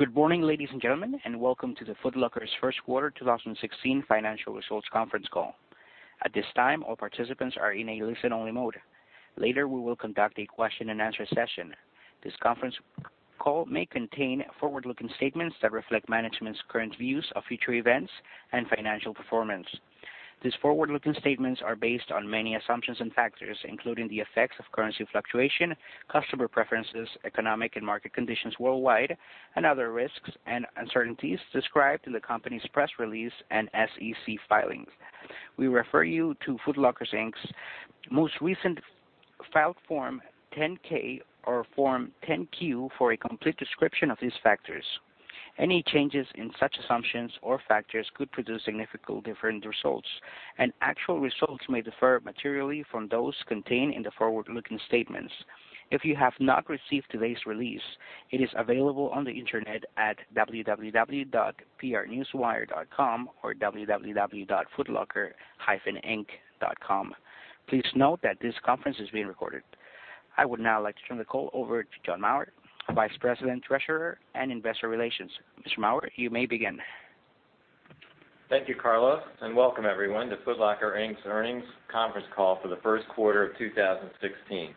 Good morning, ladies and gentlemen, and welcome to the Foot Locker's first quarter 2016 financial results conference call. At this time, all participants are in a listen-only mode. Later, we will conduct a question and answer session. This conference call may contain forward-looking statements that reflect management's current views of future events and financial performance. These forward-looking statements are based on many assumptions and factors, including the effects of currency fluctuation, customer preferences, economic and market conditions worldwide, and other risks and uncertainties described in the company's press release and SEC filings. We refer you to Foot Locker, Inc.'s most recent filed Form 10-K or Form 10-Q for a complete description of these factors. Any changes in such assumptions or factors could produce significantly different results, and actual results may differ materially from those contained in the forward-looking statements. If you have not received today's release, it is available on the internet at www.prnewswire.com or www.footlocker-inc.com. Please note that this conference is being recorded. I would now like to turn the call over to John Maurer, Vice President, Treasurer, and Investor Relations. Mr. Maurer, you may begin. Thank you, Carlos, and welcome everyone to Foot Locker, Inc.'s Earnings Conference Call for the first quarter of 2016.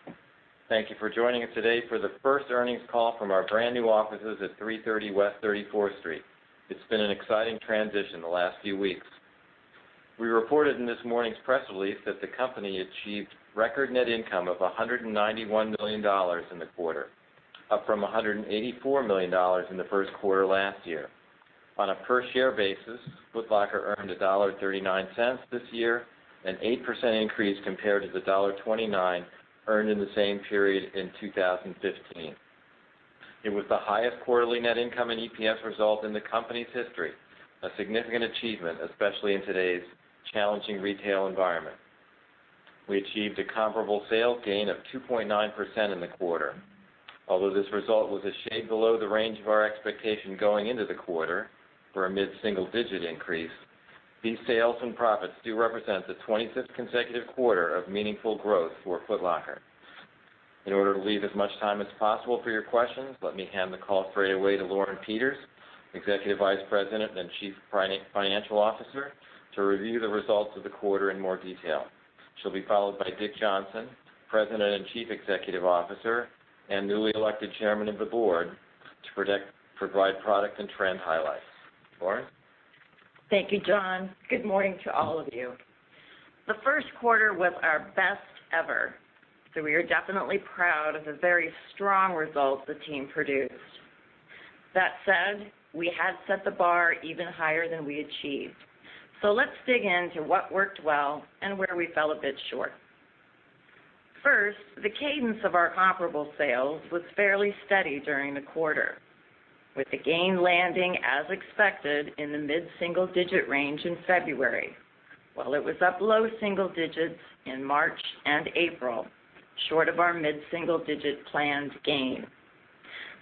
Thank you for joining us today for the first earnings call from our brand new offices at 330 West 34th Street. It's been an exciting transition the last few weeks. We reported in this morning's press release that the company achieved record net income of $191 million in the quarter, up from $184 million in the first quarter last year. On a per-share basis, Foot Locker earned $1.39 this year, an 8% increase compared to the $1.29 earned in the same period in 2015. It was the highest quarterly net income and EPS result in the company's history, a significant achievement, especially in today's challenging retail environment. We achieved a comparable sales gain of 2.9% in the quarter. Although this result was a shade below the range of our expectation going into the quarter for a mid-single-digit increase, these sales and profits do represent the 25th consecutive quarter of meaningful growth for Foot Locker. In order to leave as much time as possible for your questions, let me hand the call straight away to Lauren Peters, Executive Vice President and Chief Financial Officer, to review the results of the quarter in more detail. She'll be followed by Dick Johnson, President and Chief Executive Officer and newly elected Chairman of the Board, to provide product and trend highlights. Lauren? Thank you, John. Good morning to all of you. The first quarter was our best ever. We are definitely proud of the very strong results the team produced. That said, we had set the bar even higher than we achieved. Let's dig into what worked well and where we fell a bit short. First, the cadence of our comparable sales was fairly steady during the quarter, with the gain landing as expected in the mid-single-digit range in February, while it was up low single digits in March and April, short of our mid-single-digit planned gain.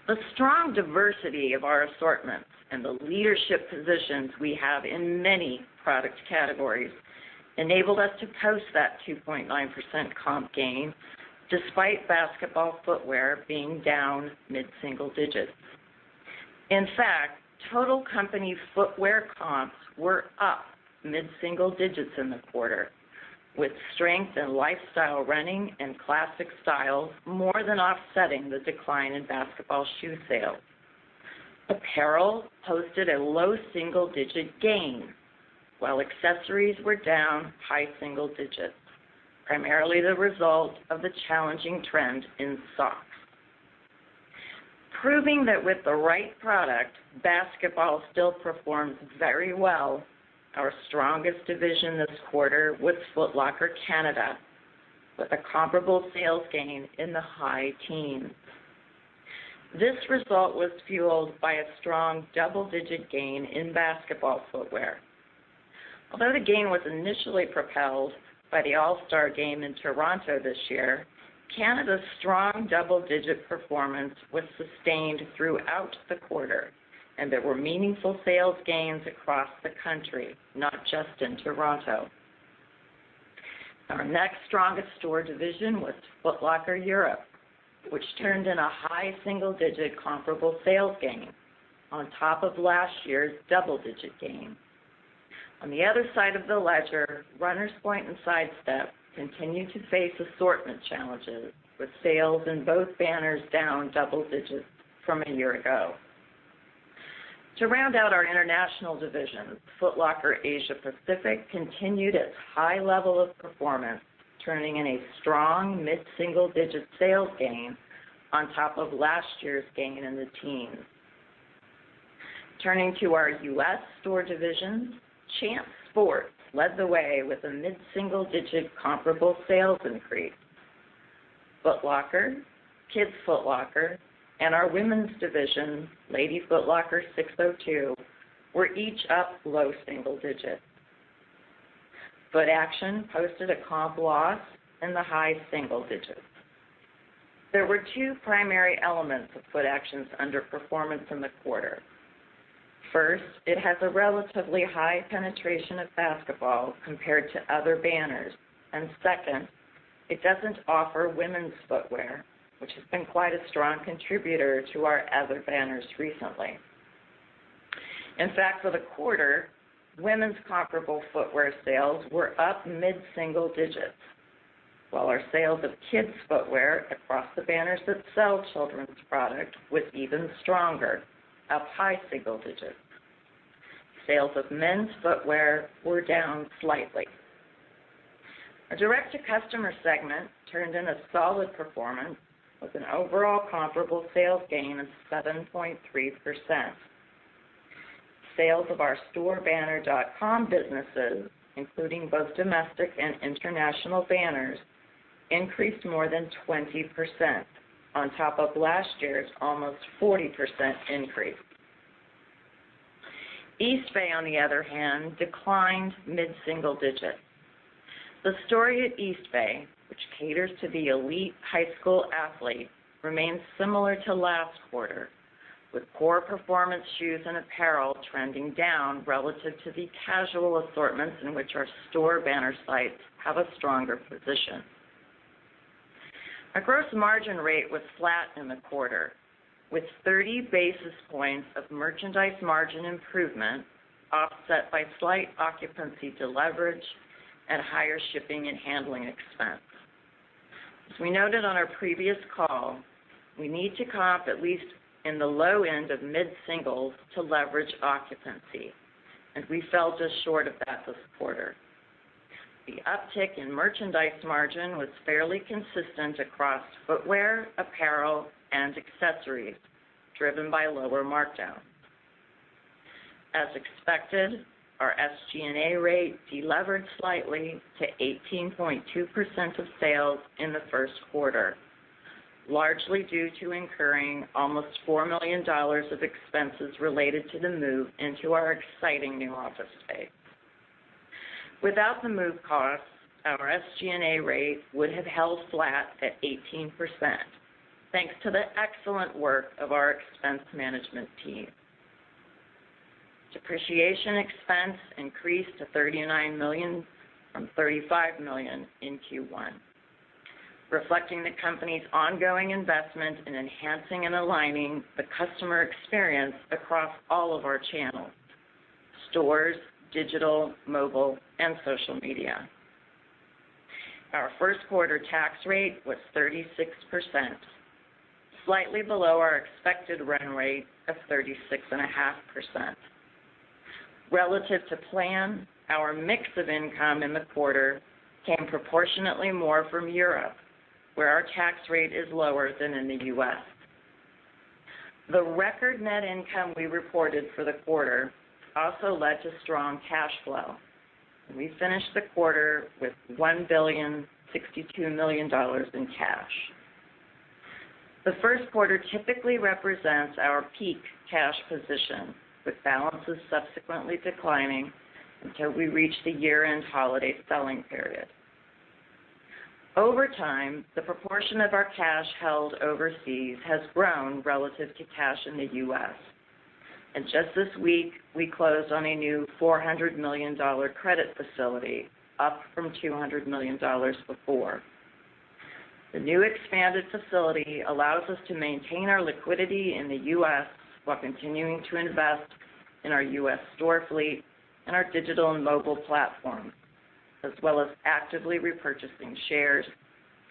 The strong diversity of our assortments and the leadership positions we have in many product categories enabled us to post that 2.9% comp gain, despite basketball footwear being down mid-single digits. In fact, total company footwear comps were up mid-single digits in the quarter, with strength in lifestyle running and classic styles more than offsetting the decline in basketball shoe sales. Apparel posted a low double-digit gain, while accessories were down high single digits, primarily the result of the challenging trend in socks. Proving that with the right product, basketball still performs very well, our strongest division this quarter was Foot Locker Canada, with a comparable sales gain in the high teens. This result was fueled by a strong double-digit gain in basketball footwear. Although the gain was initially propelled by the All-Star Game in Toronto this year, Canada's strong double-digit performance was sustained throughout the quarter. There were meaningful sales gains across the country, not just in Toronto. Our next strongest store division was Foot Locker Europe, which turned in a high single-digit comparable sales gain on top of last year's double-digit gain. On the other side of the ledger, Runners Point and Sidestep continued to face assortment challenges, with sales in both banners down double digits from a year ago. To round out our international divisions, Foot Locker Asia Pacific continued its high level of performance, turning in a strong mid-single-digit sales gain on top of last year's gain in the teens. Turning to our U.S. store divisions, Champs Sports led the way with a mid-single-digit comparable sales increase. Foot Locker, Kids Foot Locker, and our women's division, Lady Foot Locker and SIX:02, were each up low single digits. Footaction posted a comp loss in the high single digits. There were two primary elements of Footaction's underperformance in the quarter. First, it has a relatively high penetration of basketball compared to other banners. Second, it doesn't offer women's footwear, which has been quite a strong contributor to our other banners recently. In fact, for the quarter, women's comparable footwear sales were up mid-single digits, while our sales of kids footwear across the banners that sell children's product was even stronger, up high single digits. Sales of men's footwear were down slightly. Our direct-to-customer segment turned in a solid performance with an overall comparable sales gain of 7.3%. Sales of our storebanner.com businesses, including both domestic and international banners, increased more than 20% on top of last year's almost 40% increase. Eastbay, on the other hand, declined mid-single digits. The story at Eastbay, which caters to the elite high school athlete, remains similar to last quarter, with core performance shoes and apparel trending down relative to the casual assortments in which our store banner sites have a stronger position. Our gross margin rate was flat in the quarter, with 30 basis points of merchandise margin improvement offset by slight occupancy deleverage and higher shipping and handling expense. As we noted on our previous call, we need to comp at least in the low end of mid-singles to leverage occupancy. We fell just short of that this quarter. The uptick in merchandise margin was fairly consistent across footwear, apparel, and accessories, driven by lower markdown. As expected, our SG&A rate deleveraged slightly to 18.2% of sales in the first quarter, largely due to incurring almost $4 million of expenses related to the move into our exciting new office space. Without the move costs, our SG&A rate would have held flat at 18%, thanks to the excellent work of our expense management team. Depreciation expense increased to $39 million from $35 million in Q1, reflecting the company's ongoing investment in enhancing and aligning the customer experience across all of our channels: stores, digital, mobile, and social media. Our first quarter tax rate was 36%, slightly below our expected run rate of 36.5%. Relative to plan, our mix of income in the quarter came proportionately more from Europe, where our tax rate is lower than in the U.S. The record net income we reported for the quarter also led to strong cash flow. We finished the quarter with $1.062 billion in cash. The first quarter typically represents our peak cash position, with balances subsequently declining until we reach the year-end holiday selling period. Over time, the proportion of our cash held overseas has grown relative to cash in the U.S. Just this week, we closed on a new $400 million credit facility, up from $200 million before. The new expanded facility allows us to maintain our liquidity in the U.S. while continuing to invest in our U.S. store fleet and our digital and mobile platforms, as well as actively repurchasing shares,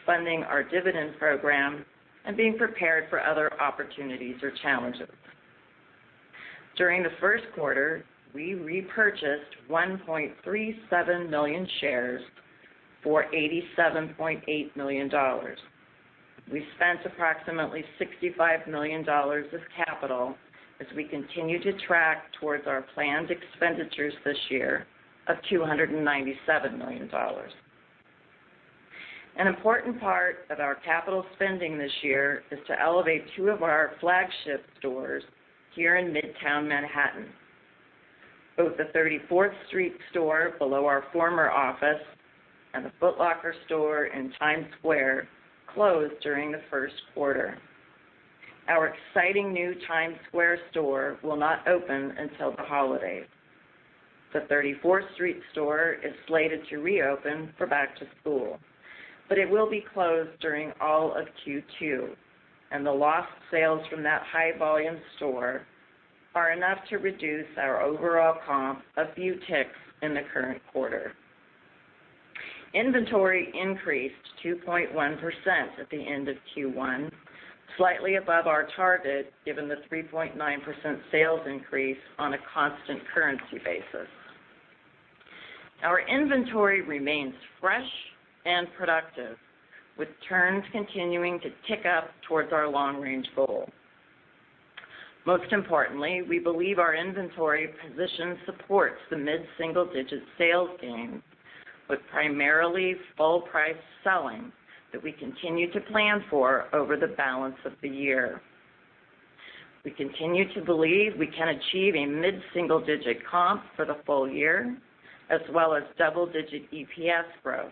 funding our dividend program, and being prepared for other opportunities or challenges. During the first quarter, we repurchased 1.37 million shares for $87.8 million. We spent approximately $65 million of capital as we continue to track towards our planned expenditures this year of $297 million. An important part of our capital spending this year is to elevate two of our flagship stores here in Midtown Manhattan. Both the 34th Street store below our former office and the Foot Locker store in Times Square closed during the first quarter. Our exciting new Times Square store will not open until the holidays. The 34th Street store is slated to reopen for back to school. It will be closed during all of Q2. The lost sales from that high-volume store are enough to reduce our overall comp a few ticks in the current quarter. Inventory increased 2.1% at the end of Q1, slightly above our target, given the 3.9% sales increase on a constant currency basis. Our inventory remains fresh and productive, with turns continuing to tick up towards our long-range goal. Most importantly, we believe our inventory position supports the mid-single-digit sales gain with primarily full price selling that we continue to plan for over the balance of the year. We continue to believe we can achieve a mid-single-digit comp for the full year as well as double-digit EPS growth.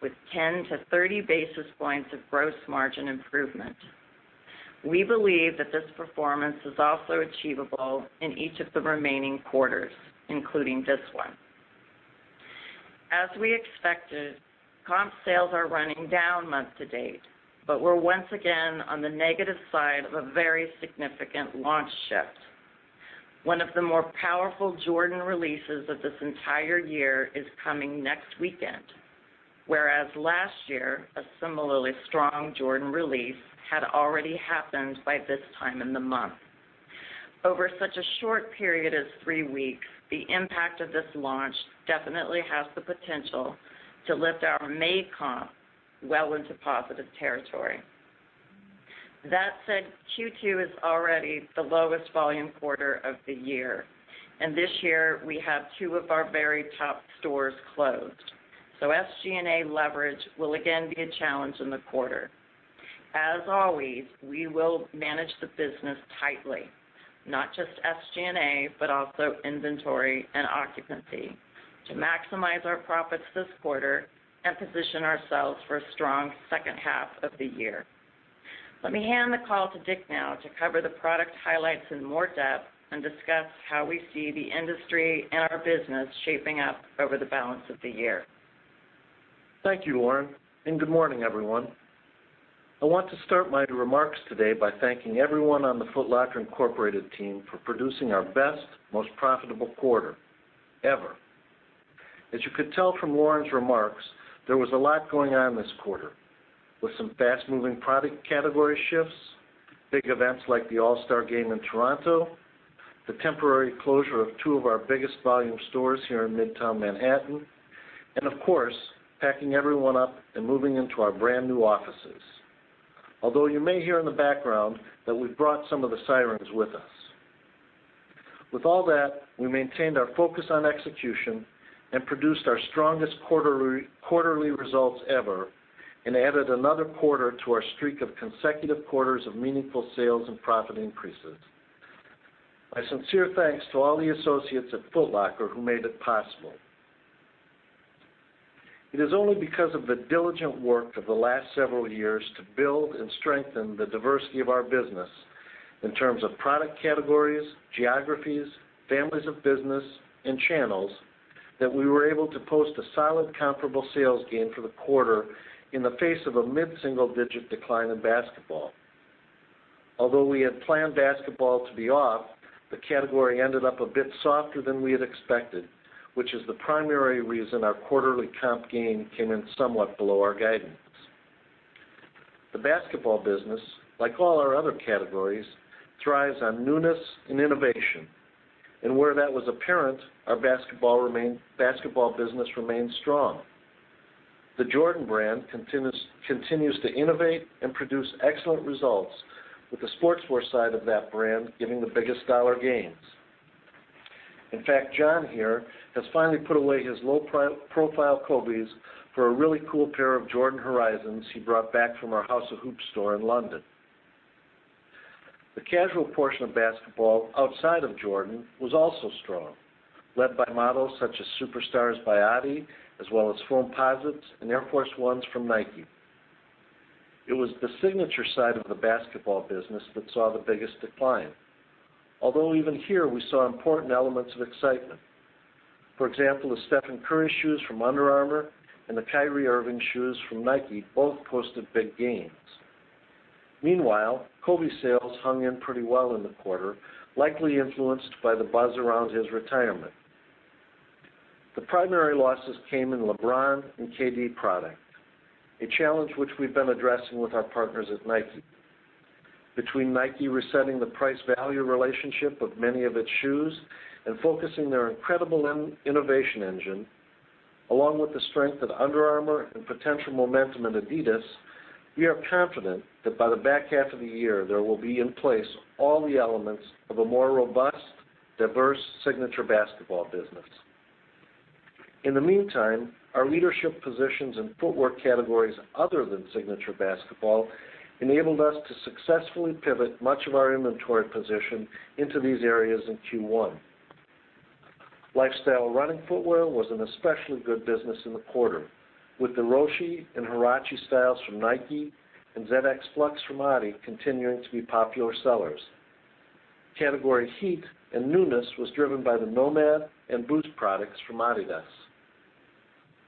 With 10 to 30 basis points of gross margin improvement. We believe that this performance is also achievable in each of the remaining quarters, including this one. As we expected, comp sales are running down month-to-date, but we're once again on the negative side of a very significant launch shift. One of the more powerful Jordan releases of this entire year is coming next weekend. Whereas last year, a similarly strong Jordan release had already happened by this time in the month. Over such a short period as three weeks, the impact of this launch definitely has the potential to lift our May comp well into positive territory. That said, Q2 is already the lowest volume quarter of the year, and this year we have two of our very top stores closed. SG&A leverage will again be a challenge in the quarter. As always, we will manage the business tightly, not just SG&A, but also inventory and occupancy to maximize our profits this quarter and position ourselves for a strong second half of the year. Let me hand the call to Dick now to cover the product highlights in more depth and discuss how we see the industry and our business shaping up over the balance of the year. Thank you, Lauren, and good morning, everyone. I want to start my remarks today by thanking everyone on the Foot Locker Incorporated team for producing our best, most profitable quarter ever. As you could tell from Lauren's remarks, there was a lot going on this quarter with some fast-moving product category shifts, big events like the All-Star Game in Toronto, the temporary closure of two of our biggest volume stores here in Midtown Manhattan, and of course, packing everyone up and moving into our brand-new offices. Although you may hear in the background that we've brought some of the sirens with us. With all that, we maintained our focus on execution and produced our strongest quarterly results ever and added another quarter to our streak of consecutive quarters of meaningful sales and profit increases. My sincere thanks to all the associates at Foot Locker who made it possible. It is only because of the diligent work of the last several years to build and strengthen the diversity of our business in terms of product categories, geographies, families of business, and channels, that we were able to post a solid comparable sales gain for the quarter in the face of a mid-single-digit decline in basketball. Although we had planned basketball to be off, the category ended up a bit softer than we had expected, which is the primary reason our quarterly comp gain came in somewhat below our guidance. The basketball business, like all our other categories, thrives on newness and innovation. Where that was apparent, our basketball business remains strong. The Jordan brand continues to innovate and produce excellent results with the sportswear side of that brand giving the biggest dollar gains. In fact, John here has finally put away his low-profile Kobes for a really cool pair of Jordan Horizons he brought back from our House of Hoops store in London. The casual portion of basketball outside of Jordan was also strong, led by models such as Superstars by Adidas as well as Foamposites and Air Force 1s from Nike. It was the signature side of the basketball business that saw the biggest decline. Although even here, we saw important elements of excitement. For example, the Stephen Curry shoes from Under Armour and the Kyrie Irving shoes from Nike both posted big gains. Meanwhile, Kobe sales hung in pretty well in the quarter, likely influenced by the buzz around his retirement. The primary losses came in LeBron and KD product, a challenge which we've been addressing with our partners at Nike. Between Nike resetting the price-value relationship of many of its shoes and focusing their incredible innovation engine along with the strength of Under Armour and potential momentum in Adidas, we are confident that by the back half of the year, there will be in place all the elements of a more robust, diverse signature basketball business. In the meantime, our leadership positions in footwear categories other than signature basketball enabled us to successfully pivot much of our inventory position into these areas in Q1. Lifestyle running footwear was an especially good business in the quarter, with the Roshe and Huarache styles from Nike and ZX Flux from Adidas continuing to be popular sellers. Category heat and newness was driven by the NMD and Boost products from Adidas.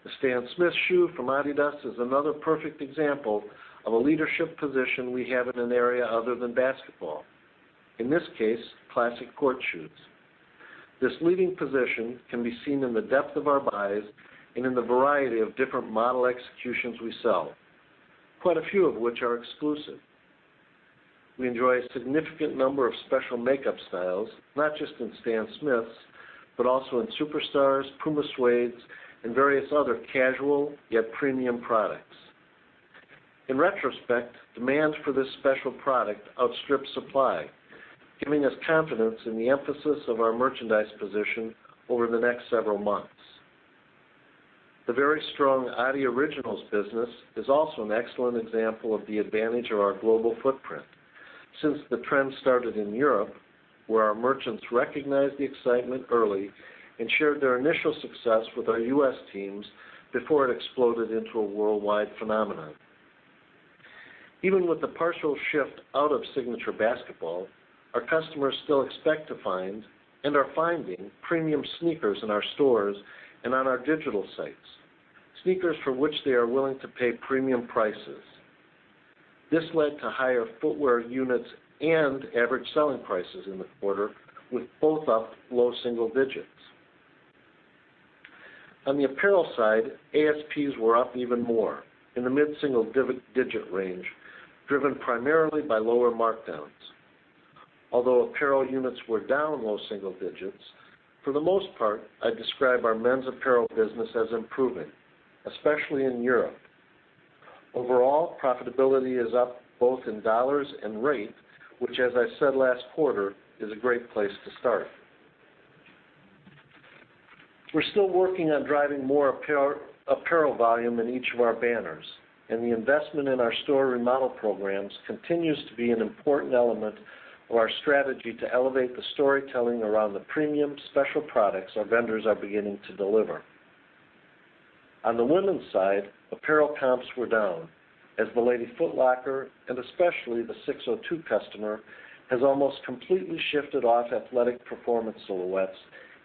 The Stan Smith shoe from Adidas is another perfect example of a leadership position we have in an area other than basketball. In this case, classic court shoes. This leading position can be seen in the depth of our buys and in the variety of different model executions we sell, quite a few of which are exclusive. We enjoy a significant number of special makeup styles, not just in Stan Smiths, but also in Superstars, Puma Suedes, and various other casual yet premium products. In retrospect, demand for this special product outstripped supply, giving us confidence in the emphasis of our merchandise position over the next several months. The very strong adidas Originals business is also an excellent example of the advantage of our global footprint, since the trend started in Europe, where our merchants recognized the excitement early and shared their initial success with our U.S. teams before it exploded into a worldwide phenomenon. Even with the partial shift out of signature basketball, our customers still expect to find and are finding premium sneakers in our stores and on our digital sites, sneakers for which they are willing to pay premium prices. This led to higher footwear units and average selling prices in the quarter, with both up low single digits. On the apparel side, ASPs were up even more, in the mid-single digit range, driven primarily by lower markdowns. Although apparel units were down low single digits, for the most part, I'd describe our men's apparel business as improving, especially in Europe. Overall, profitability is up both in dollars and rate, which as I said last quarter, is a great place to start. We're still working on driving more apparel volume in each of our banners, and the investment in our store remodel programs continues to be an important element of our strategy to elevate the storytelling around the premium special products our vendors are beginning to deliver. On the women's side, apparel comps were down as the Lady Foot Locker, and especially the SIX:02 customer, has almost completely shifted off athletic performance silhouettes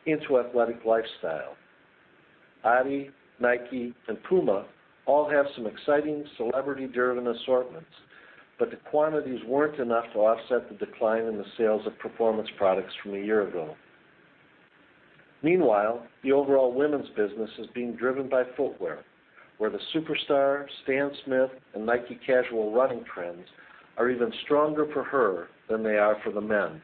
into athletic lifestyle. Adi, Nike, and Puma all have some exciting celebrity-driven assortments, but the quantities weren't enough to offset the decline in the sales of performance products from a year ago. Meanwhile, the overall women's business is being driven by footwear, where the Superstar, Stan Smith, and Nike casual running trends are even stronger for her than they are for the men.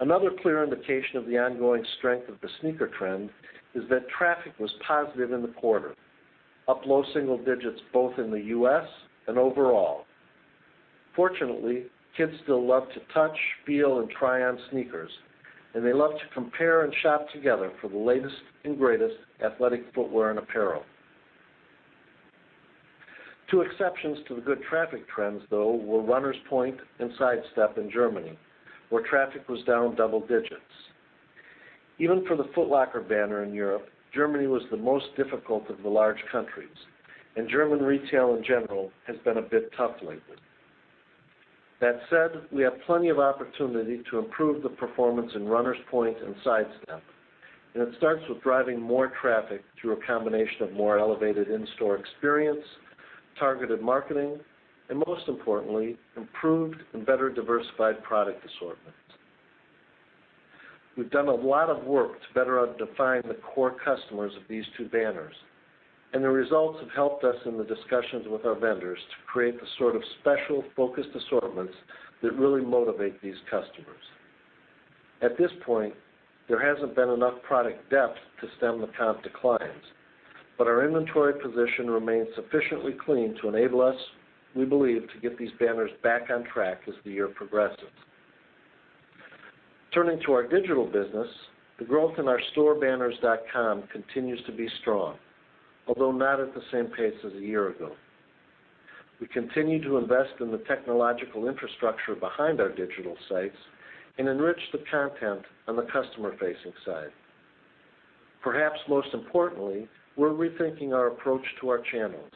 Another clear indication of the ongoing strength of the sneaker trend is that traffic was positive in the quarter, up low single digits both in the U.S. and overall. Fortunately, kids still love to touch, feel, and try on sneakers, and they love to compare and shop together for the latest and greatest athletic footwear and apparel. Two exceptions to the good traffic trends, though, were Runners Point and Sidestep in Germany, where traffic was down double digits. Even for the Foot Locker banner in Europe, Germany was the most difficult of the large countries, and German retail, in general, has been a bit tough lately. That said, we have plenty of opportunity to improve the performance in Runners Point and Sidestep, and it starts with driving more traffic through a combination of more elevated in-store experience, targeted marketing, and most importantly, improved and better diversified product assortments. We've done a lot of work to better define the core customers of these two banners, and the results have helped us in the discussions with our vendors to create the sort of special, focused assortments that really motivate these customers. At this point, there hasn't been enough product depth to stem the comp declines, but our inventory position remains sufficiently clean to enable us, we believe, to get these banners back on track as the year progresses. Turning to our digital business, the growth in our storebanners.com continues to be strong, although not at the same pace as a year ago. We continue to invest in the technological infrastructure behind our digital sites and enrich the content on the customer-facing side. Perhaps most importantly, we're rethinking our approach to our channels.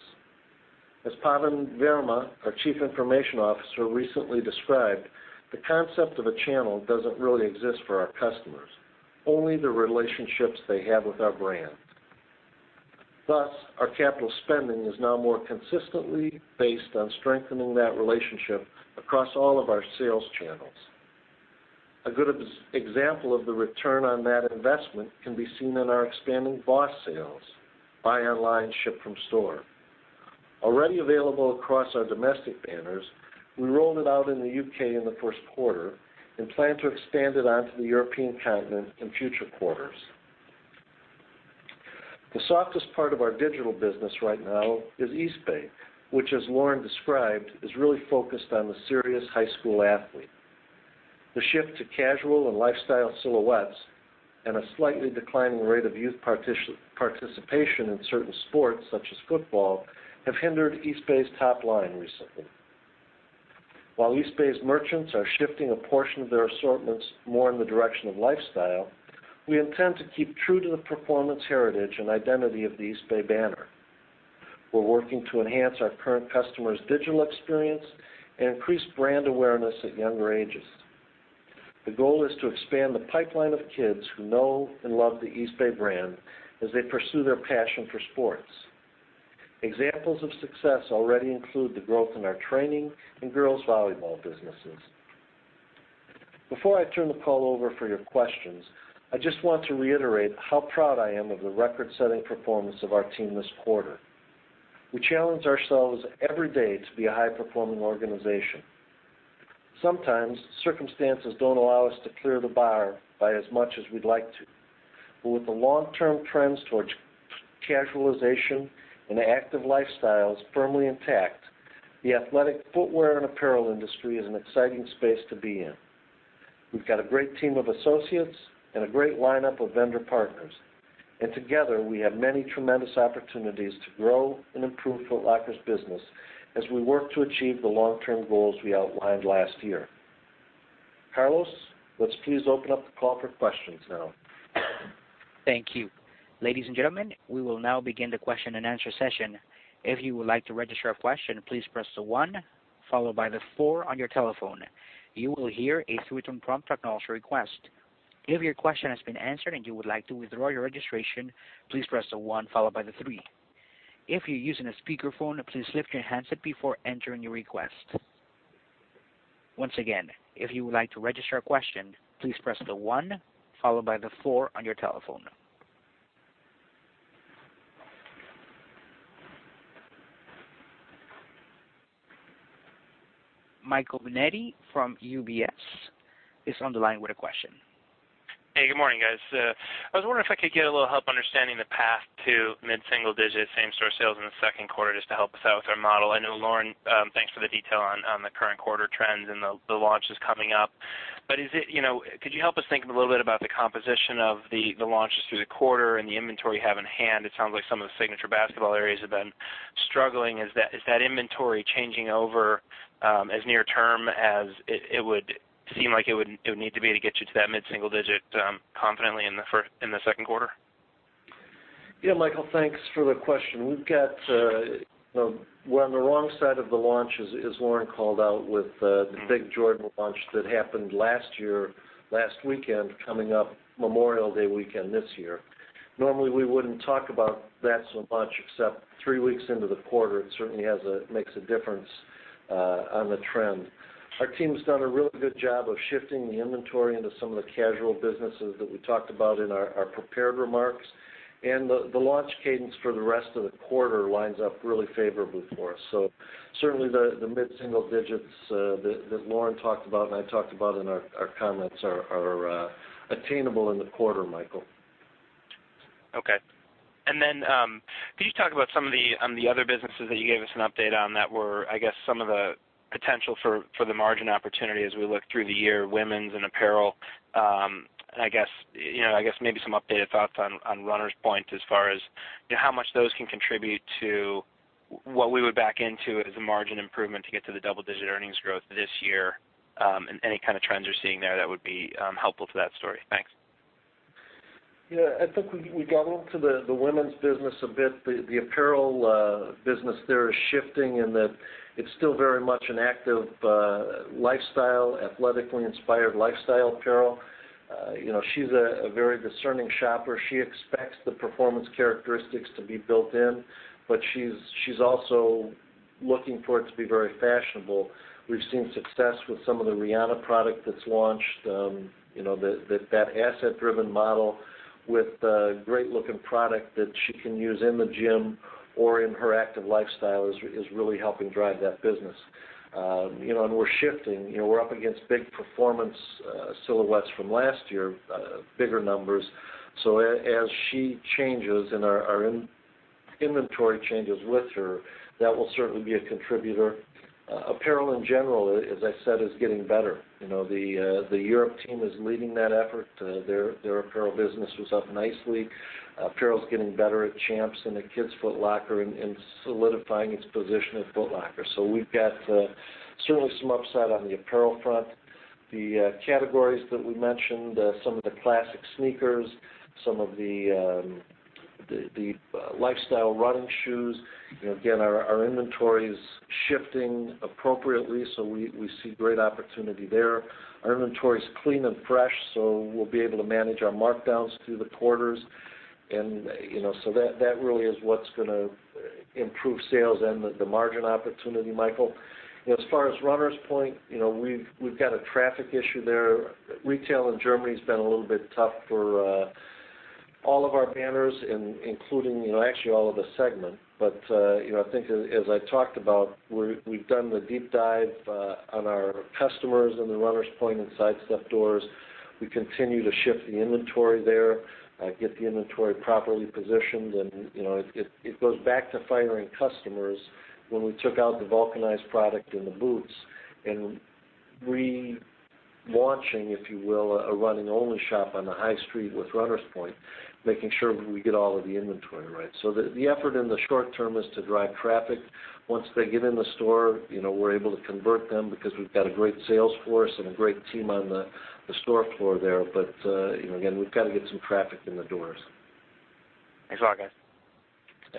As Pawan Verma, our chief information officer, recently described, the concept of a channel doesn't really exist for our customers, only the relationships they have with our brand. Thus, our capital spending is now more consistently based on strengthening that relationship across all of our sales channels. A good example of the return on that investment can be seen in our expanding BOSS sales, buy online, ship from store. Already available across our domestic banners, we rolled it out in the U.K. in the first quarter and plan to expand it onto the European continent in future quarters. The softest part of our digital business right now is Eastbay, which as Lauren described, is really focused on the serious high school athlete. The shift to casual and lifestyle silhouettes and a slightly declining rate of youth participation in certain sports, such as football, have hindered Eastbay's top line recently. While Eastbay's merchants are shifting a portion of their assortments more in the direction of lifestyle, we intend to keep true to the performance heritage and identity of the Eastbay banner. We are working to enhance our current customers' digital experience and increase brand awareness at younger ages. The goal is to expand the pipeline of kids who know and love the Eastbay brand as they pursue their passion for sports. Examples of success already include the growth in our training and girls' volleyball businesses. Before I turn the call over for your questions, I just want to reiterate how proud I am of the record-setting performance of our team this quarter. We challenge ourselves every day to be a high-performing organization. Sometimes circumstances don't allow us to clear the bar by as much as we'd like to. With the long-term trends towards casualization and active lifestyles firmly intact, the athletic footwear and apparel industry is an exciting space to be in. We've got a great team of associates and a great lineup of vendor partners. And together, we have many tremendous opportunities to grow and improve Foot Locker's business as we work to achieve the long-term goals we outlined last year. Carlos, let's please open up the call for questions now. Thank you. Ladies and gentlemen, we will now begin the question and answer session. If you would like to register a question, please press the one followed by the four on your telephone. You will hear a written prompt acknowledge your request. If your question has been answered and you would like to withdraw your registration, please press the one followed by the three. If you're using a speakerphone, please lift your handset before entering your request. Once again, if you would like to register a question, please press the one followed by the four on your telephone. Michael Binetti from UBS is on the line with a question. Hey, good morning, guys. I was wondering if I could get a little help understanding the path to mid-single digit same-store sales in the second quarter just to help us out with our model. I know, Lauren, thanks for the detail on the current quarter trends and the launches coming up. But could you help us think a little bit about the composition of the launches through the quarter and the inventory you have in hand? It sounds like some of the signature basketball areas have been struggling. Is that inventory changing over as near term as it would seem like it would need to be to get you to that mid-single digit confidently in the second quarter? Michael, thanks for the question. We're on the wrong side of the launch, as Lauren called out, with the big Jordan launch that happened last year, last weekend, coming up Memorial Day weekend this year. Normally, we wouldn't talk about that so much, except three weeks into the quarter, it certainly makes a difference on the trend. Our team's done a really good job of shifting the inventory into some of the casual businesses that we talked about in our prepared remarks. The launch cadence for the rest of the quarter lines up really favorably for us. Certainly, the mid-single digits that Lauren talked about and I talked about in our comments are attainable in the quarter, Michael. Okay. Could you talk about some of the other businesses that you gave us an update on that were, I guess, some of the potential for the margin opportunity as we look through the year, women's and apparel. I guess maybe some updated thoughts on Runners Point as far as how much those can contribute to what we would back into as a margin improvement to get to the double-digit earnings growth this year. Any kind of trends you're seeing there that would be helpful to that story. Thanks. Yeah, I think we got into the women's business a bit. The apparel business there is shifting in that it's still very much an active lifestyle, athletically inspired lifestyle apparel. She's a very discerning shopper. She expects the performance characteristics to be built in, but she's also looking for it to be very fashionable. We've seen success with some of the Rihanna product that's launched. That artist-driven model with a great-looking product that she can use in the gym or in her active lifestyle is really helping drive that business. We're shifting. We're up against big performance silhouettes from last year, bigger numbers. As she changes and our inventory changes with her, that will certainly be a contributor. Apparel, in general, as I said, is getting better. The Europe team is leading that effort. Their apparel business was up nicely. Apparel's getting better at Champs and at Kids Foot Locker and solidifying its position at Foot Locker. We've got certainly some upside on the apparel front. The categories that we mentioned, some of the classic sneakers, some of the lifestyle running shoes. Again, our inventory is shifting appropriately, so we see great opportunity there. Our inventory is clean and fresh, so we'll be able to manage our markdowns through the quarters. That really is what's going to improve sales and the margin opportunity, Michael. As far as Runners Point, we've got a traffic issue there. Retail in Germany has been a little bit tough for all of our banners, including actually all of the segment. I think as I talked about, we've done the deep dive on our customers in the Runners Point and Sidestep doors. We continue to shift the inventory there, get the inventory properly positioned. It goes back to firing customers when we took out the vulcanized product and the boots and relaunching, if you will, a running-only shop on the high street with Runners Point, making sure we get all of the inventory right. The effort in the short term is to drive traffic. Once they get in the store, we're able to convert them because we've got a great sales force and a great team on the store floor there. Again, we've got to get some traffic in the doors. Thanks a lot, guys.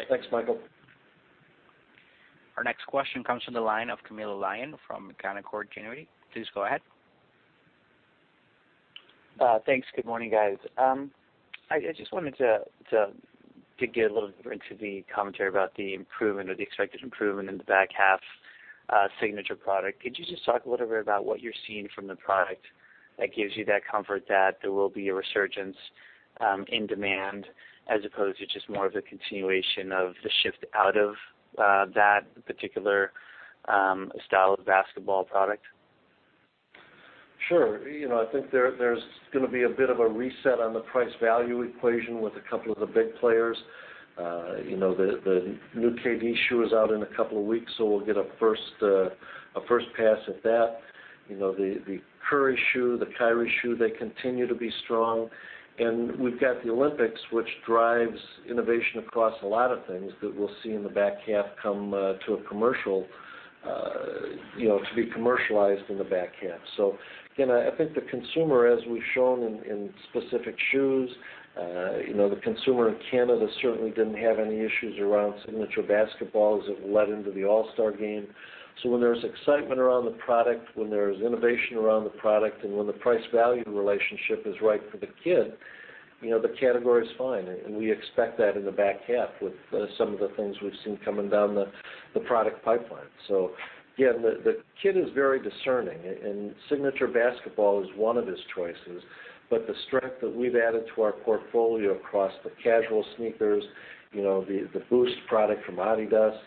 Thanks, Michael. Our next question comes from the line of Camilo Lyon from Canaccord Genuity. Please go ahead. Thanks. Good morning, guys. I just wanted to get a little bit into the commentary about the improvement or the expected improvement in the back half signature product. Could you just talk a little bit about what you're seeing from the product that gives you that comfort that there will be a resurgence in demand as opposed to just more of a continuation of the shift out of that particular style of basketball product? Sure. I think there's going to be a bit of a reset on the price value equation with a couple of the big players. The new KD shoe is out in a couple of weeks, so we'll get a first pass at that. The Curry shoe, the Kyrie shoe, they continue to be strong. We've got the Olympics, which drives innovation across a lot of things that we'll see in the back half come to a commercial, to be commercialized in the back half. Again, I think the consumer, as we've shown in specific shoes, the consumer in Canada certainly didn't have any issues around signature basketball as it led into the All-Star Game. When there's excitement around the product, when there's innovation around the product, and when the price-value relationship is right for the kid, the category's fine. We expect that in the back half with some of the things we've seen coming down the product pipeline. Again, the kid is very discerning, and signature basketball is one of his choices. The strength that we've added to our portfolio across the casual sneakers, the Boost product from Adidas,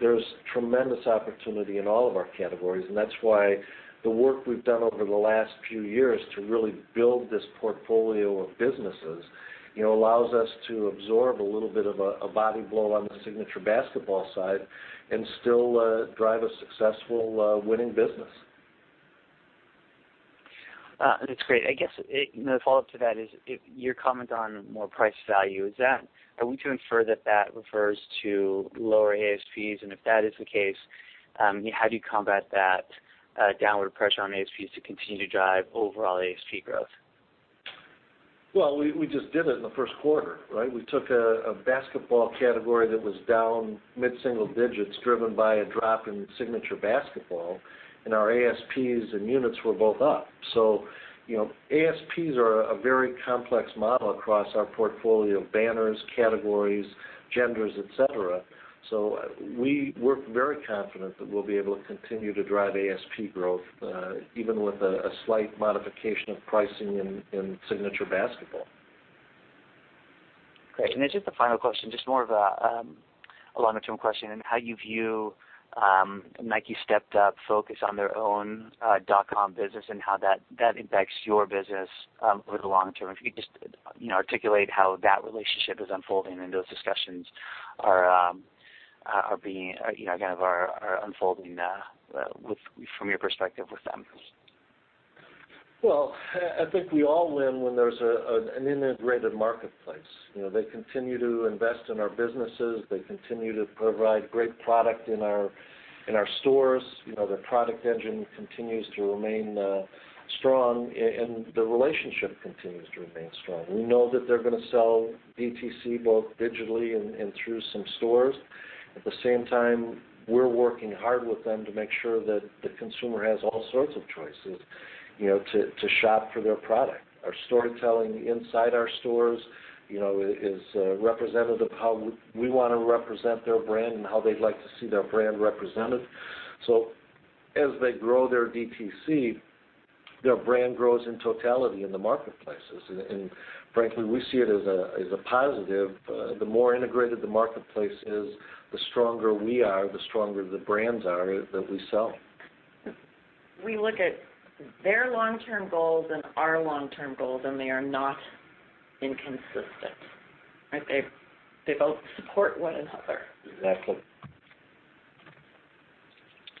there's tremendous opportunity in all of our categories. That's why the work we've done over the last few years to really build this portfolio of businesses, allows us to absorb a little bit of a body blow on the signature basketball side and still drive a successful, winning business. That's great. I guess, the follow-up to that is, your comment on more price value, are we to infer that refers to lower ASPs? If that is the case, how do you combat that downward pressure on ASPs to continue to drive overall ASP growth? Well, we just did it in the first quarter, right? We took a basketball category that was down mid-single digits, driven by a drop in signature basketball, and our ASPs and units were both up. ASPs are a very complex model across our portfolio of banners, categories, genders, et cetera. We're very confident that we'll be able to continue to drive ASP growth, even with a slight modification of pricing in signature basketball. Great. Just the final question, just more of a long-term question in how you view Nike stepped up focus on their own dotcom business and how that impacts your business over the long term. If you could just articulate how that relationship is unfolding and those discussions are unfolding from your perspective with them. Well, I think we all win when there's an integrated marketplace. They continue to invest in our businesses. They continue to provide great product in our stores. Their product engine continues to remain strong, and the relationship continues to remain strong. We know that they're going to sell DTC both digitally and through some stores. At the same time, we're working hard with them to make sure that the consumer has all sorts of choices to shop for their product. Our storytelling inside our stores is representative of how we want to represent their brand and how they'd like to see their brand represented. As they grow their DTC, their brand grows in totality in the marketplaces. Frankly, we see it as a positive. The more integrated the marketplace is, the stronger we are, the stronger the brands are that we sell. We look at their long-term goals and our long-term goals, they are not inconsistent, right? They both support one another. Exactly.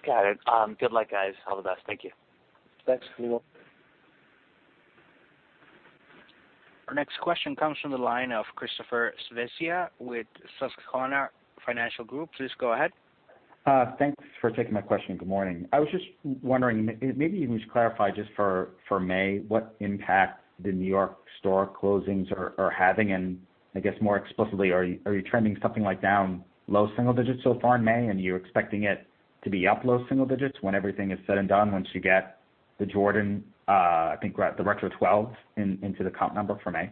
Got it. Good luck, guys. All the best. Thank you. Thanks, Camilo. Our next question comes from the line of Christopher Svezia with Susquehanna Financial Group. Please go ahead. Thanks for taking my question. Good morning. I was just wondering, maybe you can just clarify just for May, what impact the New York store closings are having. I guess more explicitly, are you trending something like down low single digits so far in May, and you're expecting it to be up low single digits when everything is said and done once you get the Jordan, I think, the Retro XIIs into the comp number for May?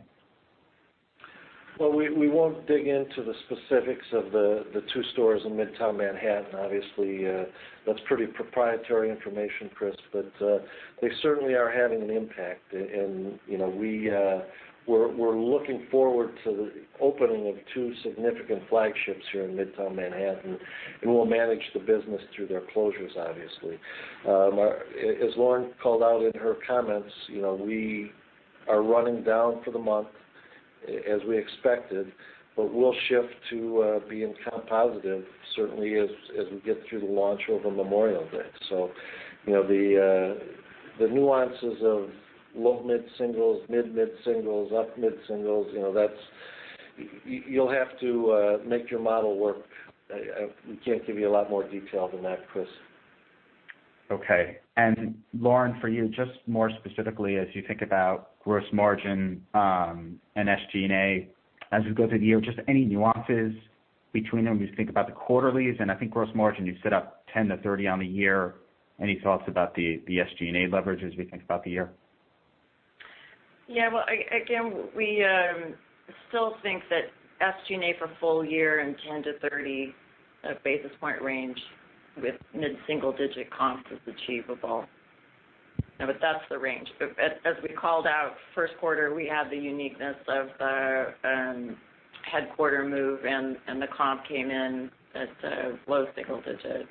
We won't dig into the specifics of the two stores in Midtown Manhattan. Obviously, that's pretty proprietary information, Chris. They certainly are having an impact. We're looking forward to the opening of two significant flagships here in Midtown Manhattan, and we'll manage the business through their closures, obviously. As Lauren called out in her comments, we are running down for the month as we expected, but we'll shift to being comp positive certainly as we get through the launch over Memorial Day. The nuances of low mid-singles, mid mid-singles, up mid-singles, you'll have to make your model work. We can't give you a lot more detail than that, Chris. Okay. Lauren, for you, just more specifically as you think about gross margin and SG&A as we go through the year, just any nuances between them as you think about the quarterlies and I think gross margin, you set up 10 to 30 on the year. Any thoughts about the SG&A leverage as we think about the year? Yeah. Well, again, we still think that SG&A for full year in 10 to 30 basis point range with mid-single digit comps is achievable. That's the range. As we called out first quarter, we had the uniqueness of the headquarter move and the comp came in at low single digit.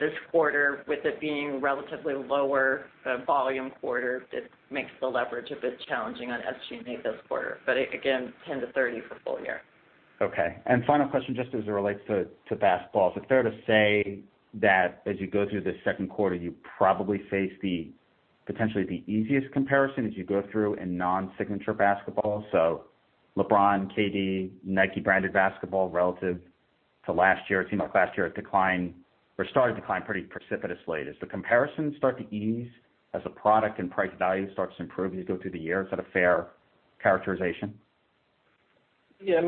This quarter, with it being relatively lower volume quarter, that makes the leverage a bit challenging on SG&A this quarter. Again, 10 to 30 for full year. Okay. Final question, just as it relates to basketball. Is it fair to say that as you go through the second quarter, you probably face potentially the easiest comparison as you go through in non-signature basketball? So LeBron, KD, Nike branded basketball relative to last year. It seemed like last year started to decline pretty precipitously. Does the comparison start to ease as the product and price value starts to improve as you go through the year? Is that a fair characterization? Yeah,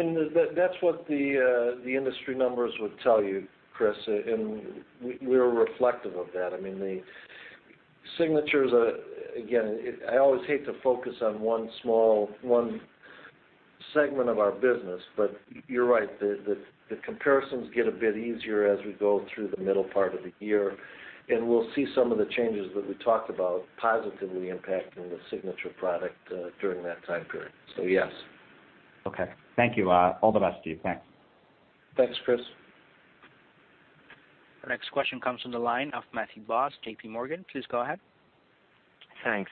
that's what the industry numbers would tell you, Chris, and we are reflective of that. The signatures, again, I always hate to focus on one segment of our business, but you're right. The comparisons get a bit easier as we go through the middle part of the year, we'll see some of the changes that we talked about positively impacting the signature product during that time period. Yes. Okay. Thank you. All the best to you. Thanks. Thanks, Chris. The next question comes from the line of Matthew Boss, JPMorgan. Please go ahead. Thanks.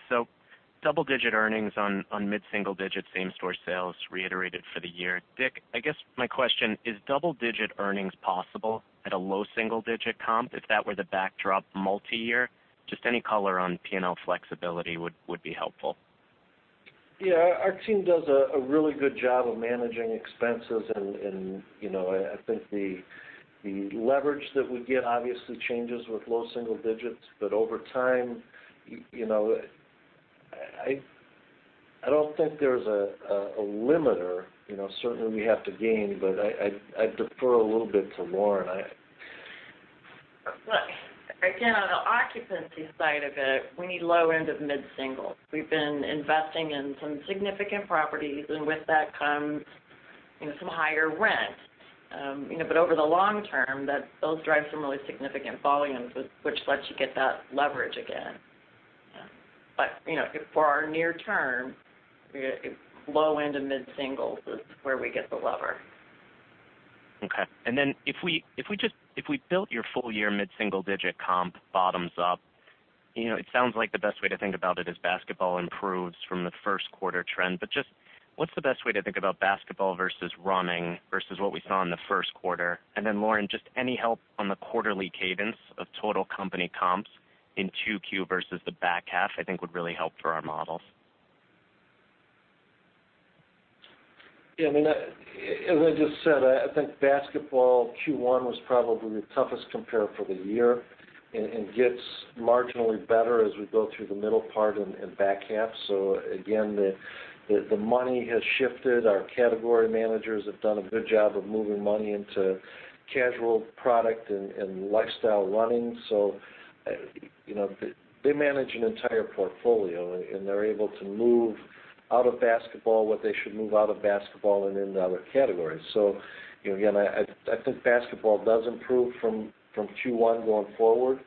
Double-digit earnings on mid-single digit same-store sales reiterated for the year. Dick, I guess my question, is double-digit earnings possible at a low single-digit comp, if that were the backdrop multi-year? Just any color on P&L flexibility would be helpful. Yeah. Our team does a really good job of managing expenses, I think the leverage that we get obviously changes with low single digits. Over time, I don't think there's a limiter. Certainly, we have to gain, but I defer a little bit to Lauren. Look, again, on the occupancy side of it, we need low end of mid-single. We've been investing in some significant properties, with that comes some higher rent. Over the long term, those drive some really significant volumes, which lets you get that leverage again. For our near term, low end of mid-single is where we get the lever. Okay. If we built your full year mid-single digit comp bottoms up, it sounds like the best way to think about it is basketball improves from the first quarter trend. Just what's the best way to think about basketball versus running versus what we saw in the first quarter? Lauren, just any help on the quarterly cadence of total company comps in 2Q versus the back half, I think, would really help for our models. Yeah. As I just said, I think basketball Q1 was probably the toughest compare for the year and gets marginally better as we go through the middle part and back half. Again, the money has shifted. Our category managers have done a good job of moving money into casual product and lifestyle running. They manage an entire portfolio, and they're able to move out of basketball what they should move out of basketball and into other categories. Again, I think basketball does improve from Q1 going forward.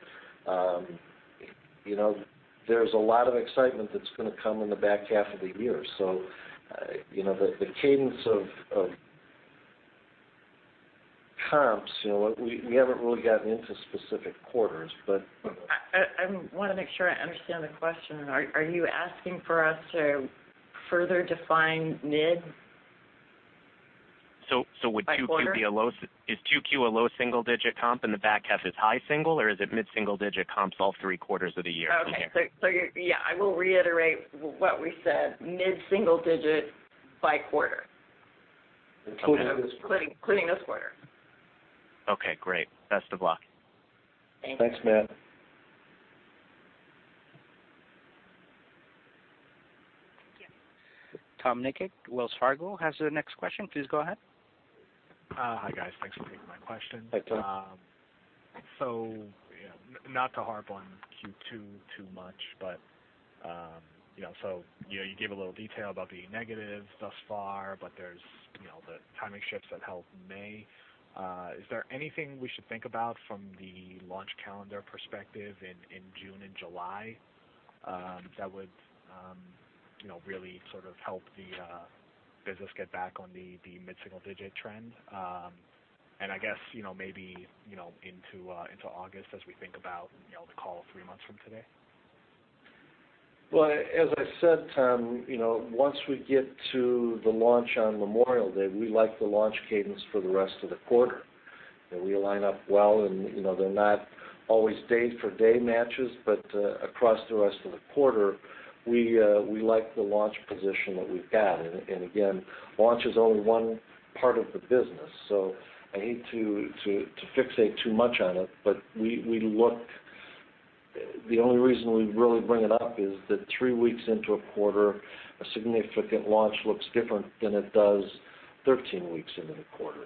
There's a lot of excitement that's going to come in the back half of the year. The cadence of comps, we haven't really gotten into specific quarters. I want to make sure I understand the question. Are you asking for us to further define mid by quarter? Is 2Q a low single digit comp and the back half is high single, or is it mid-single digit comps all three quarters of the year? Okay. Yeah, I will reiterate what we said, mid-single digit by quarter. Including this quarter. Including this quarter. Okay, great. Best of luck. Thank you. Thanks, Matt. Tom Nikic, Wells Fargo, has the next question. Please go ahead. Hi, guys. Thanks for taking my question. Hi, Tom. Not to harp on Q2 too much, but you gave a little detail about being negative thus far, but there's the timing shifts that helped in May. Is there anything we should think about from the launch calendar perspective in June and July that would really sort of help the business get back on the mid-single digit trend? I guess, maybe, into August as we think about the call three months from today. As I said, Tom, once we get to the launch on Memorial Day, we like the launch cadence for the rest of the quarter. We line up well and they're not always day for day matches, but across the rest of the quarter, we like the launch position that we've got. Again, launch is only one part of the business, so I hate to fixate too much on it, but the only reason we really bring it up is that three weeks into a quarter, a significant launch looks different than it does 13 weeks into the quarter.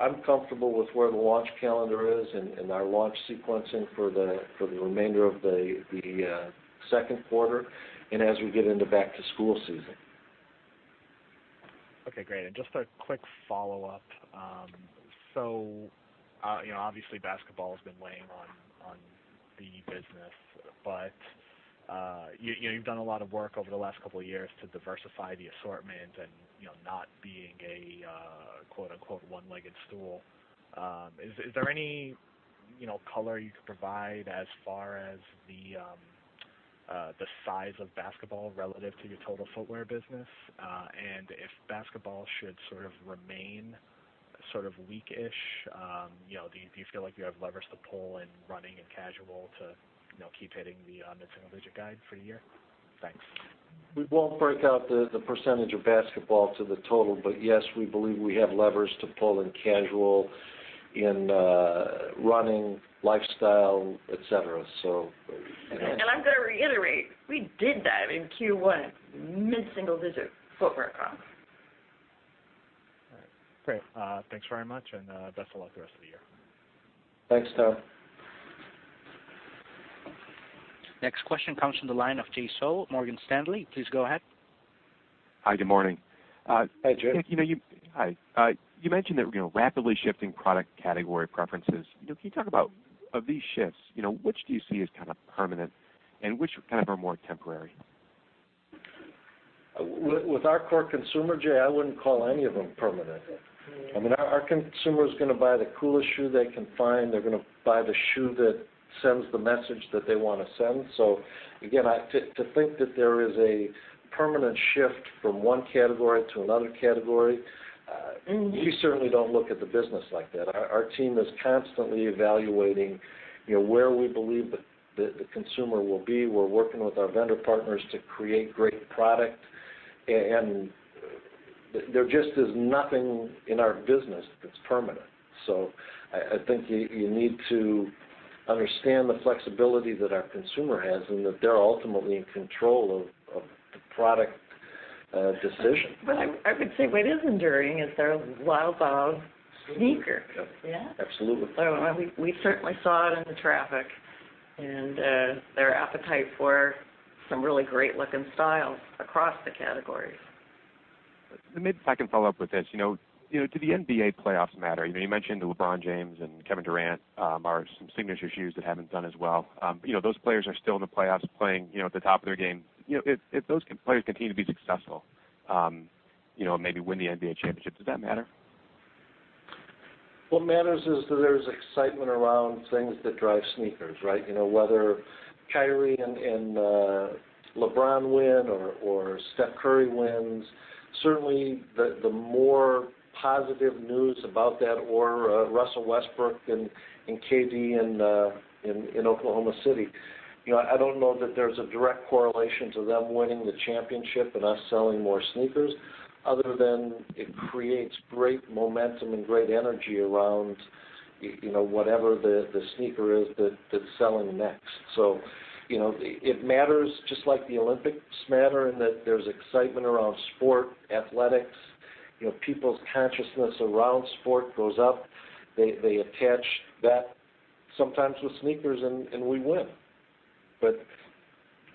I'm comfortable with where the launch calendar is and our launch sequencing for the remainder of the second quarter and as we get into back to school season. Okay, great. Just a quick follow-up. Obviously basketball has been weighing on the business, but you've done a lot of work over the last couple of years to diversify the assortment (and a "one-legged stool.") Is there any color you could provide as far as the size of basketball relative to your total footwear business? If basketball should sort of remain sort of weak-ish, do you feel like you have levers to pull in running and casual to keep hitting the mid-single-digit guide for the year? Thanks. We won't break out the percentage of basketball to the total, but yes, we believe we have levers to pull in casual, in running, lifestyle, et cetera. I am going to reiterate, we did that in Q1, mid-single-digit footwear comp. All right. Great. Thanks very much, best of luck the rest of the year. Thanks, Tom. Next question comes from the line of Jay Sole, Morgan Stanley. Please go ahead. Hi, good morning. Hi, Jay. Hi. You mentioned that rapidly shifting product category preferences. Can you talk about, of these shifts, which do you see as kind of permanent and which kind of are more temporary? With our core consumer, Jay, I wouldn't call any of them permanent. Our consumer's going to buy the coolest shoe they can find. They're going to buy the shoe that sends the message that they want to send. Again, to think that there is a permanent shift from one category to another category, we certainly don't look at the business like that. Our team is constantly evaluating where we believe the consumer will be. We're working with our vendor partners to create great product, and there just is nothing in our business that's permanent. I think you need to understand the flexibility that our consumer has and that they're ultimately in control of the product decision. I would say what is enduring is their love of sneaker. Yep. Yeah. Absolutely. We certainly saw it in the traffic and their appetite for some really great looking styles across the categories. Maybe if I can follow up with this. Do the NBA playoffs matter? You mentioned LeBron James and Kevin Durant are some signature shoes that haven't done as well. Those players are still in the playoffs playing at the top of their game. If those players continue to be successful, maybe win the NBA championship, does that matter? What matters is that there's excitement around things that drive sneakers, right? Whether Kyrie and LeBron win or Steph Curry wins. Certainly, the more positive news about that or Russell Westbrook and KD in Oklahoma City. I don't know that there's a direct correlation to them winning the championship and us selling more sneakers other than it creates great momentum and great energy around whatever the sneaker is that's selling next. It matters just like the Olympics matter in that there's excitement around sport, athletics, people's consciousness around sport goes up. They attach that sometimes with sneakers and we win.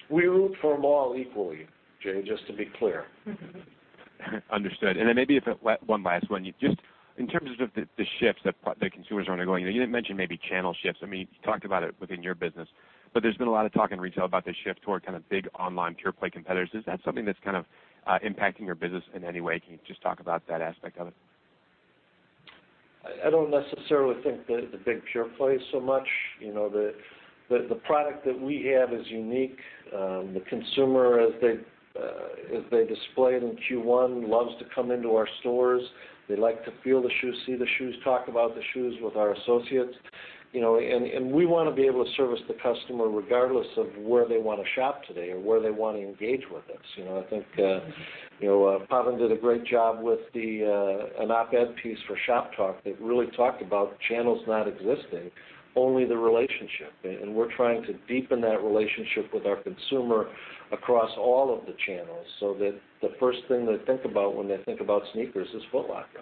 We root for them all equally, Jay, just to be clear. Understood. Maybe one last one. Just in terms of the shifts that consumers are undergoing, you didn't mention maybe channel shifts. You talked about it within your business, but there's been a lot of talk in retail about the shift toward kind of big online pure-play competitors. Is that something that's kind of impacting your business in any way? Can you just talk about that aspect of it? I don't necessarily think the big pure-plays so much. The product that we have is unique. The consumer, as they displayed in Q1, loves to come into our stores. They like to feel the shoes, see the shoes, talk about the shoes with our associates. We want to be able to service the customer regardless of where they want to shop today or where they want to engage with us. I think Pawan did a great job with an op-ed piece for Shoptalk that really talked about channels not existing, only the relationship. We're trying to deepen that relationship with our consumer across all of the channels so that the first thing they think about when they think about sneakers is Foot Locker.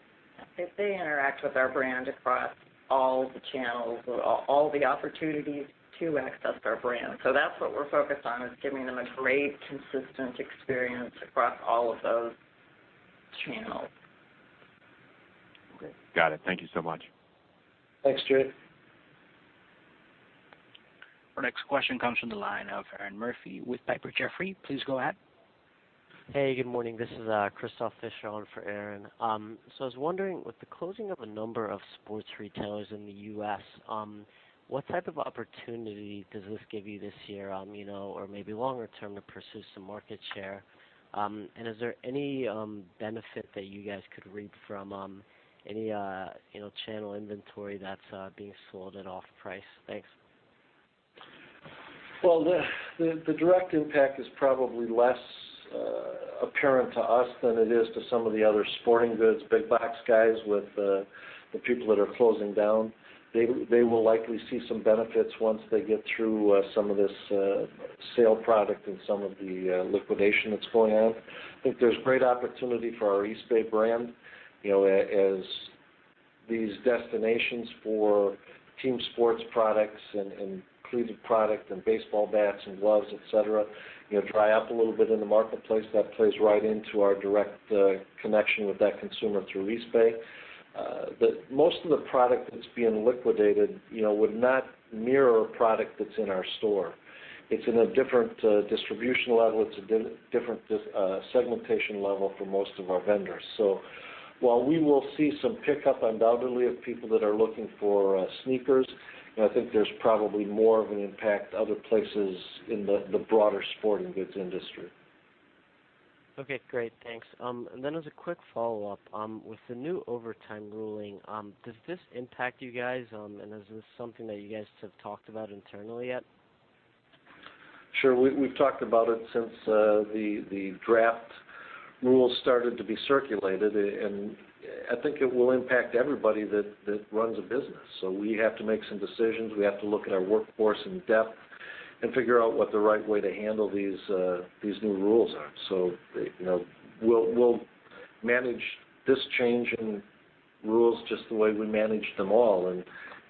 If they interact with our brand across all the channels or all the opportunities to access our brand. That's what we're focused on is giving them a great, consistent experience across all of those channels. Okay. Got it. Thank you so much. Thanks, Jay. Our next question comes from the line of Erinn Murphy with Piper Jaffray. Please go ahead. Hey, good morning. This is Christophe Ficheron for Erinn. I was wondering, with the closing of a number of sports retailers in the U.S., what type of opportunity does this give you this year or maybe longer term to pursue some market share? Is there any benefit that you guys could reap from any channel inventory that's being sold at off price? Thanks. The direct impact is probably less apparent to us than it is to some of the other sporting goods, big box guys with the people that are closing down. They will likely see some benefits once they get through some of this sale product and some of the liquidation that's going on. I think there's great opportunity for our Eastbay brand, as these destinations for team sports products and cleated product and baseball bats and gloves, et cetera, dry up a little bit in the marketplace. That plays right into our direct connection with that consumer through Eastbay. Most of the product that's being liquidated would not mirror a product that's in our store. It's in a different distribution level. It's a different segmentation level for most of our vendors. While we will see some pickup undoubtedly of people that are looking for sneakers, I think there's probably more of an impact other places in the broader sporting goods industry. Okay, great. Thanks. As a quick follow-up, with the new overtime ruling, does this impact you guys and is this something that you guys have talked about internally yet? Sure. We've talked about it since the draft rules started to be circulated, I think it will impact everybody that runs a business. We have to make some decisions. We have to look at our workforce in depth and figure out what the right way to handle these new rules are. We'll manage this change in rules just the way we manage them all.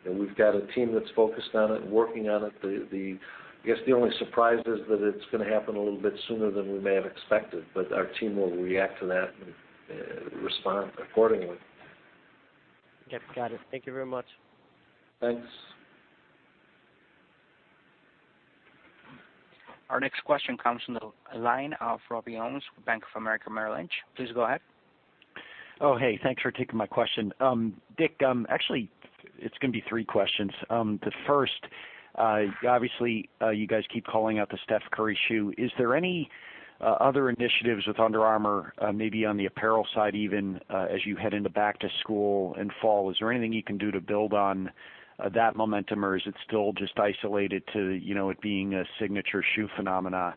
We've got a team that's focused on it and working on it. I guess the only surprise is that it's going to happen a little bit sooner than we may have expected, our team will react to that and respond accordingly. Okay, got it. Thank you very much. Thanks. Our next question comes from the line of Robert Ohmes with Bank of America Merrill Lynch. Please go ahead. Oh, hey, thanks for taking my question. Dick, actually, it's going to be three questions. The first, obviously, you guys keep calling out the Steph Curry shoe. Is there any other initiatives with Under Armour, maybe on the apparel side even, as you head into back to school and fall? Is there anything you can do to build on that momentum, or is it still just isolated to it being a signature shoe phenomena?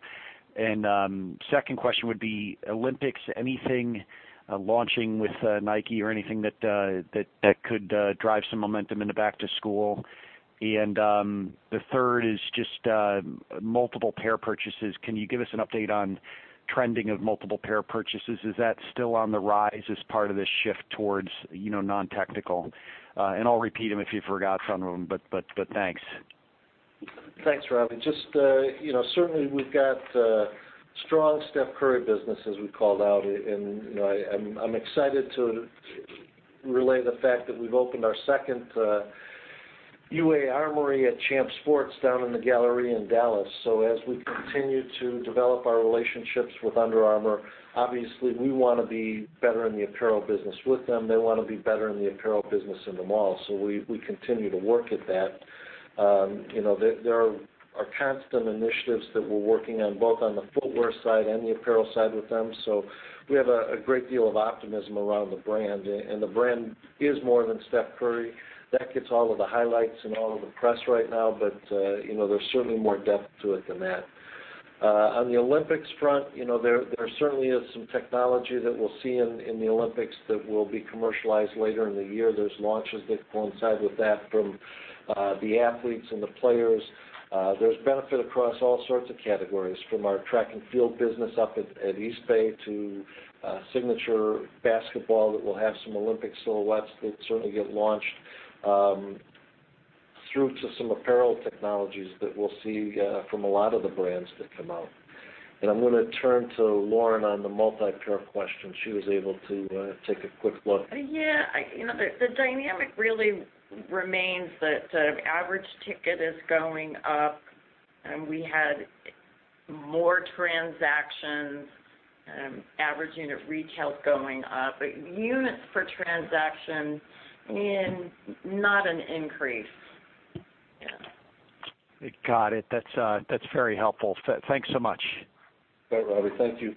Second question would be Olympics. Anything launching with Nike or anything that could drive some momentum in the back to school? The third is just multiple pair purchases. Can you give us an update on trending of multiple pair purchases? Is that still on the rise as part of this shift towards non-technical? I'll repeat them if you forgot some of them, thanks. Thanks, Robbie. Certainly, we've got strong Steph Curry business, as we called out, I'm excited to relay the fact that we've opened our second UA ARMOURY at Champs Sports down in the Galleria in Dallas. As we continue to develop our relationships with Under Armour, obviously we want to be better in the apparel business with them. They want to be better in the apparel business in the mall. We continue to work at that. There are constant initiatives that we're working on, both on the footwear side and the apparel side with them. We have a great deal of optimism around the brand, the brand is more than Steph Curry. That gets all of the highlights and all of the press right now, there's certainly more depth to it than that. On the Olympics front, there certainly is some technology that we'll see in the Olympics that will be commercialized later in the year. There are launches that coincide with that from the athletes and the players. There's benefit across all sorts of categories, from our track and field business up at Eastbay to signature basketball that will have some Olympic silhouettes that certainly get launched, through to some apparel technologies that we'll see from a lot of the brands that come out. I'm going to turn to Lauren on the multi-pair question. She was able to take a quick look. Yeah. The dynamic really remains that average ticket is going up, and we had more transactions, average unit retail going up. Units per transaction, not an increase. Yeah. Got it. That's very helpful. Thanks so much. Bye, Robbie. Thank you.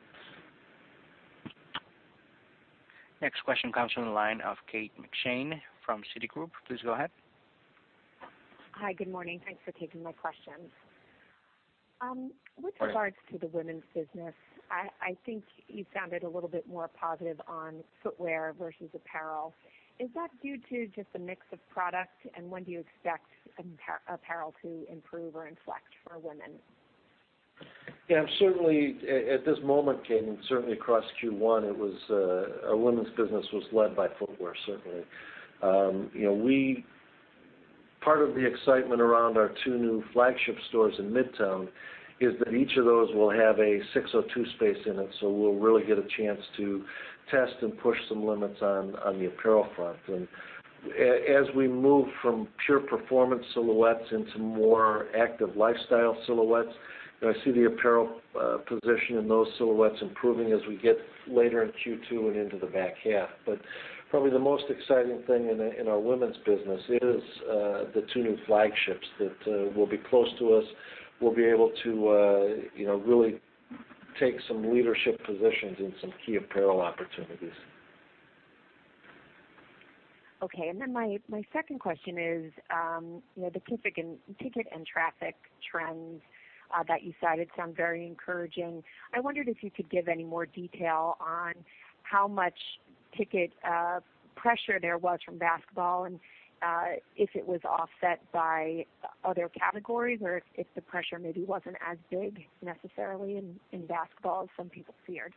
Next question comes from the line of Kate McShane from Citigroup. Please go ahead. Hi. Good morning. Thanks for taking my questions. Hi. With regards to the women's business, I think you sounded a little bit more positive on footwear versus apparel. Is that due to just the mix of product, when do you expect apparel to improve or inflect for women? Yeah. Certainly, at this moment, Kate, certainly across Q1, our women's business was led by footwear, certainly. Part of the excitement around our two new flagship stores in Midtown is that each of those will have a SIX:02 space in it, we'll really get a chance to test and push some limits on the apparel front. As we move from pure performance silhouettes into more active lifestyle silhouettes, I see the apparel position in those silhouettes improving as we get later in Q2 and into the back half. Probably the most exciting thing in our women's business is the two new flagships that will be close to us. We'll be able to really take some leadership positions in some key apparel opportunities. Okay, my second question is, the ticket and traffic trends that you cited sound very encouraging. I wondered if you could give any more detail on how much ticket pressure there was from basketball and if it was offset by other categories or if the pressure maybe wasn't as big necessarily in basketball as some people feared.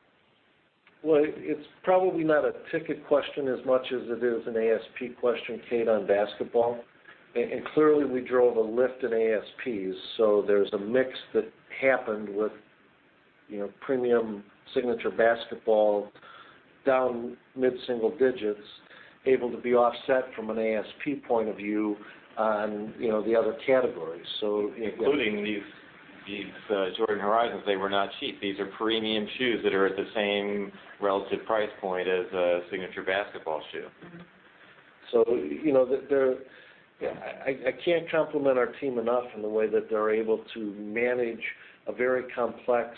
Well, it's probably not a ticket question as much as it is an ASP question, Kate, on basketball. Clearly, we drove a lift in ASPs. There's a mix that happened with Premium signature basketball down mid-single digits, able to be offset from an ASP point of view on the other categories. Including these Jordan Horizon, they were not cheap. These are premium shoes that are at the same relative price point as a signature basketball shoe. I can't compliment our team enough in the way that they're able to manage a very complex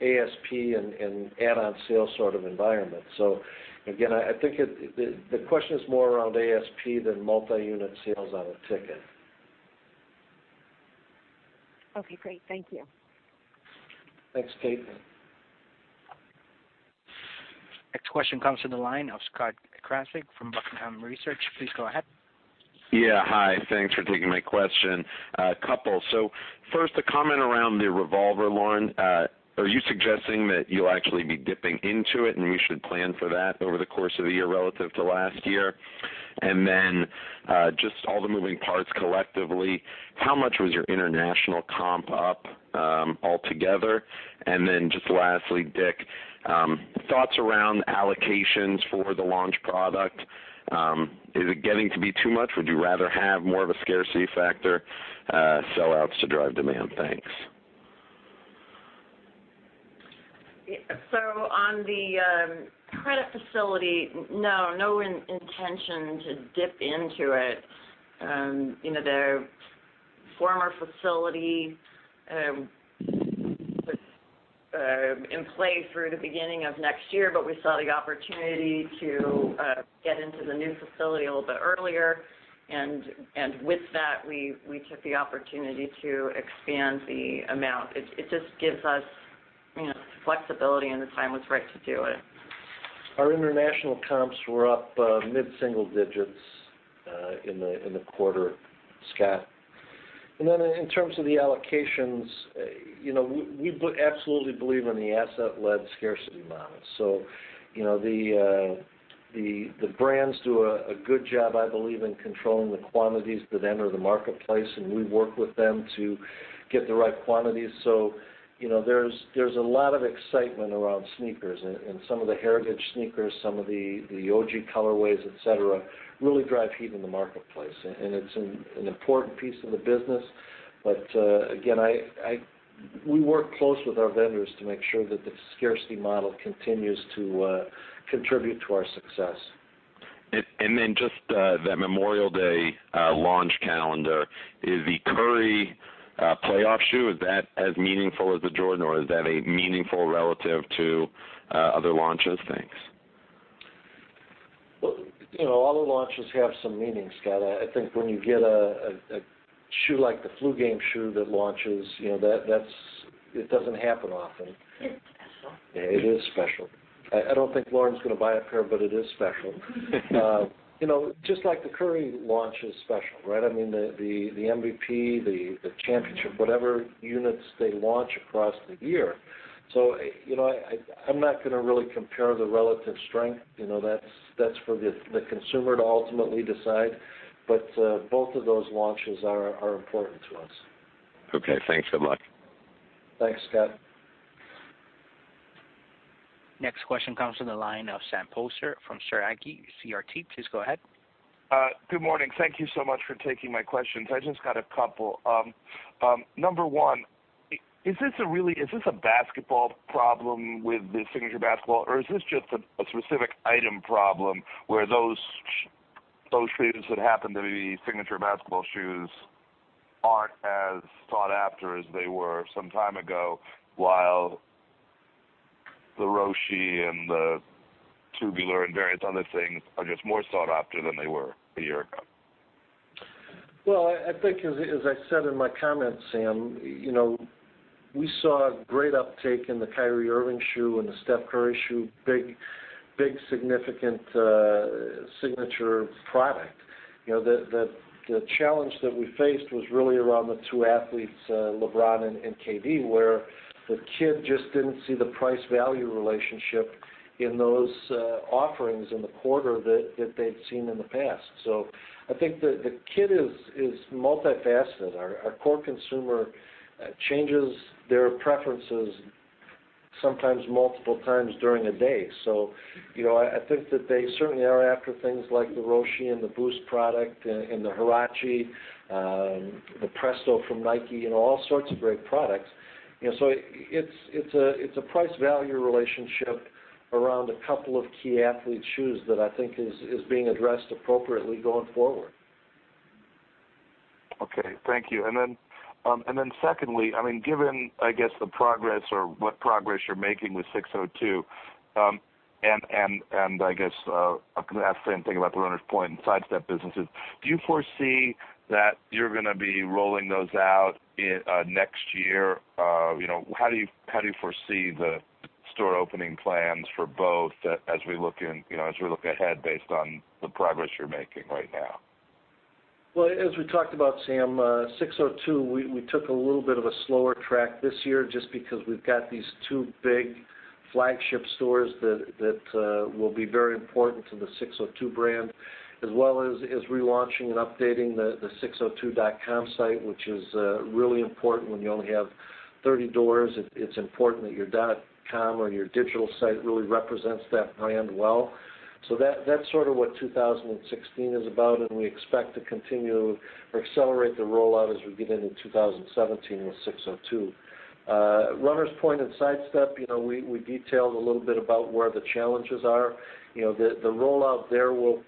ASP and add-on sale sort of environment. Again, I think the question is more around ASP than multi-unit sales on a ticket. Okay, great. Thank you. Thanks, Kate. Next question comes from the line of Scott Krasik from Buckingham Research. Please go ahead. Yeah. Hi. Thanks for taking my question. A couple. First, a comment around the revolver, Lauren. Are you suggesting that you'll actually be dipping into it, and we should plan for that over the course of the year relative to last year? Then, just all the moving parts collectively, how much was your international comp up altogether? Then just lastly, Dick, thoughts around allocations for the launch product. Is it getting to be too much? Would you rather have more of a scarcity factor, sellouts to drive demand? Thanks. On the credit facility, no. No intention to dip into it. The former facility was in play through the beginning of next year, we saw the opportunity to get into the new facility a little bit earlier, with that, we took the opportunity to expand the amount. It just gives us flexibility, the time was right to do it. Our international comps were up mid-single digits in the quarter, Scott. In terms of the allocations, we absolutely believe in the asset-led scarcity model. The brands do a good job, I believe, in controlling the quantities that enter the marketplace, and we work with them to get the right quantities. There's a lot of excitement around sneakers, and some of the heritage sneakers, some of the OG colorways, et cetera, really drive heat in the marketplace. It's an important piece of the business. Again, we work close with our vendors to make sure that the scarcity model continues to contribute to our success. Just that Memorial Day launch calendar, the Curry playoff shoe, is that as meaningful as the Jordan, or is that a meaningful relative to other launches? Thanks. Well, all the launches have some meaning, Scott. I think when you get a shoe like the Flu Game shoe that launches, it doesn't happen often. It's special. It is special. I don't think Lauren's going to buy a pair, but it is special. Just like the Curry launch is special, right? I mean, the MVP, the championship, whatever units they launch across the year. I'm not going to really compare the relative strength. That's for the consumer to ultimately decide. Both of those launches are important to us. Okay, thanks so much. Thanks, Scott. Next question comes from the line of Sam Poser from Sterne Agee CRT. Please go ahead. Good morning. Thank you so much for taking my questions. I just got a couple. Number one, is this a basketball problem with the signature basketball, or is this just a specific item problem, where those shoes that happen to be signature basketball shoes aren't as sought after as they were some time ago, while the Roshe and the Tubular and various other things are just more sought after than they were a year ago? Well, I think as I said in my comments, Sam, we saw great uptake in the Kyrie Irving shoe and the Steph Curry shoe. Big, significant signature product. The challenge that we faced was really around the two athletes, LeBron and KD, where the kid just didn't see the price-value relationship in those offerings in the quarter that they'd seen in the past. I think the kid is multifaceted. Our core consumer changes their preferences sometimes multiple times during a day. I think that they certainly are after things like the Roshe and the Boost product and the Huarache, the Presto from Nike, and all sorts of great products. It's a price-value relationship around a couple of key athlete shoes that I think is being addressed appropriately going forward. Okay. Thank you. Secondly, given the progress or what progress you're making with SIX:02, and I guess I can ask the same thing about the Runners Point and Sidestep businesses, do you foresee that you're going to be rolling those out next year? How do you foresee the store opening plans for both as we look ahead based on the progress you're making right now? Well, as we talked about, Sam, SIX:02, we took a little bit of a slower track this year just because we've got these two big Flagship stores that will be very important to the SIX:02 brand, as well as relaunching and updating the six02.com site, which is really important when you only have 30 doors. It's important that your dot com or your digital site really represents that brand well. That's sort of what 2016 is about, and we expect to continue or accelerate the rollout as we get into 2017 with SIX:02. Runners Point and Sidestep, we detailed a little bit about where the challenges are. The rollout there will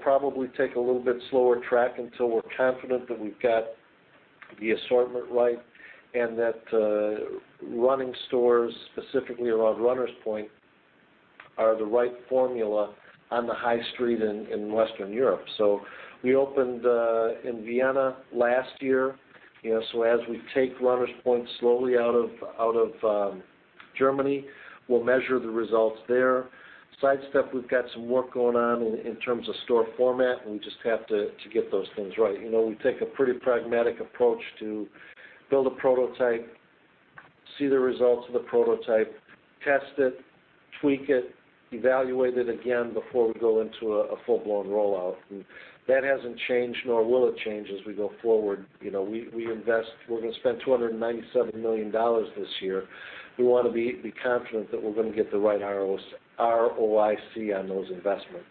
probably take a little bit slower track until we're confident that we've got the assortment right and that running stores, specifically around Runners Point, are the right formula on the high street in Western Europe. We opened, in Vienna last year, as we take Runners Point slowly out of Germany, we'll measure the results there. Sidestep, we've got some work going on in terms of store format, and we just have to get those things right. We take a pretty pragmatic approach to build a prototype, see the results of the prototype, test it, tweak it, evaluate it again before we go into a full-blown rollout. That hasn't changed, nor will it change as we go forward. We're going to spend $297 million this year. We want to be confident that we're going to get the right ROIC on those investments.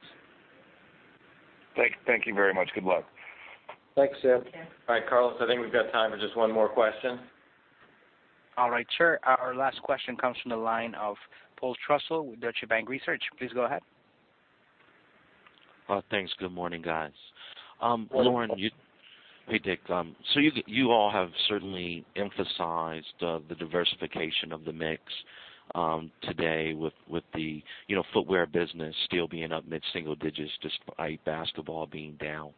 Thank you very much. Good luck. Thanks, Sam. All right, Carlos, I think we've got time for just one more question. All right, sure. Our last question comes from the line of Paul Trussell with Deutsche Bank Research. Please go ahead. Thanks. Good morning, guys. Morning, Paul. Hey, Dick. You all have certainly emphasized the diversification of the mix today with the footwear business still being up mid-single digits despite basketball being down.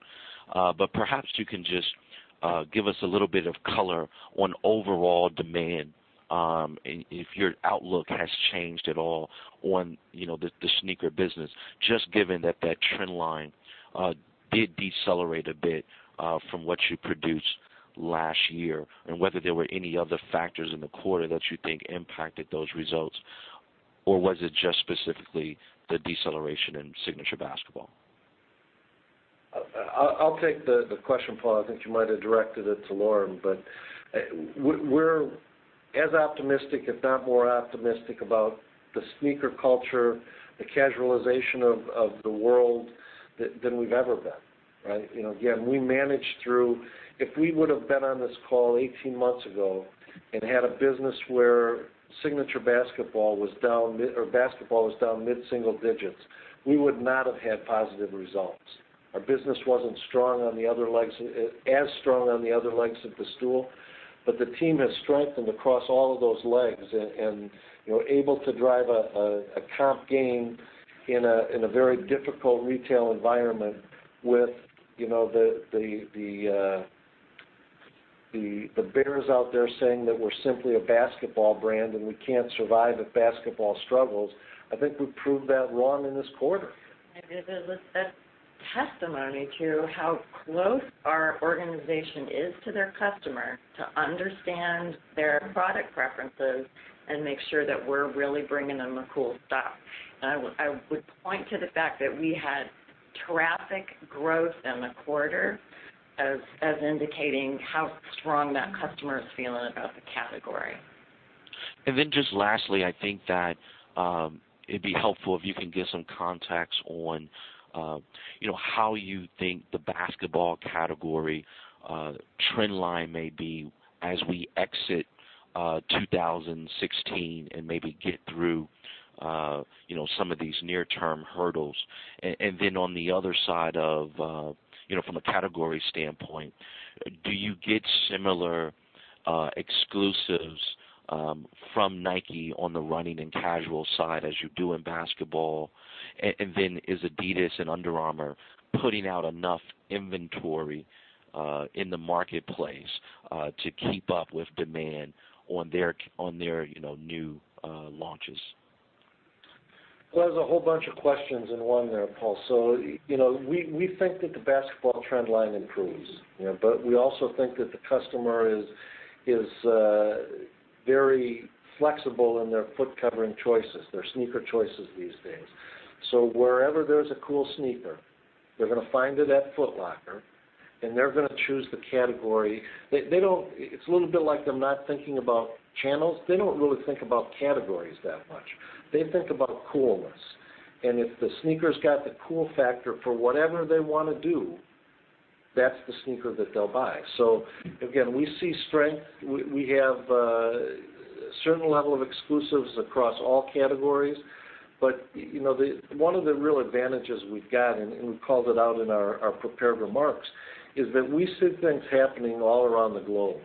Perhaps you can just give us a little bit of color on overall demand, if your outlook has changed at all on the sneaker business, just given that that trend line did decelerate a bit from what you produced last year. Whether there were any other factors in the quarter that you think impacted those results, or was it just specifically the deceleration in signature basketball? I'll take the question, Paul. I think you might have directed it to Lauren. We're as optimistic, if not more optimistic, about the sneaker culture, the casualization of the world, than we've ever been. Again, if we would've been on this call 18 months ago and had a business where basketball was down mid-single digits, we would not have had positive results. Our business wasn't as strong on the other legs of the stool. The team has strengthened across all of those legs and able to drive a comp gain in a very difficult retail environment with the bears out there saying that we're simply a basketball brand and we can't survive if basketball struggles. I think we've proved that wrong in this quarter. It is a testimony to how close our organization is to their customer to understand their product preferences and make sure that we're really bringing them the cool stuff. I would point to the fact that we had traffic growth in the quarter as indicating how strong that customer is feeling about the category. Just lastly, I think that it'd be helpful if you can give some context on how you think the basketball category trend line may be as we exit 2016 and maybe get through some of these near-term hurdles. On the other side of, from a category standpoint, do you get similar exclusives from Nike on the running and casual side as you do in basketball? Is Adidas and Under Armour putting out enough inventory in the marketplace to keep up with demand on their new launches? Well, there's a whole bunch of questions in one there, Paul. We think that the basketball trend line improves. We also think that the customer is very flexible in their foot-covering choices, their sneaker choices these days. Wherever there's a cool sneaker, they're going to find it at Foot Locker, and they're going to choose the category. It's a little bit like them not thinking about channels. They don't really think about categories that much. They think about coolness. If the sneaker's got the cool factor for whatever they want to do, that's the sneaker that they'll buy. Again, we see strength. We have a certain level of exclusives across all categories. One of the real advantages we've got, and we've called it out in our prepared remarks, is that we see things happening all around the globe.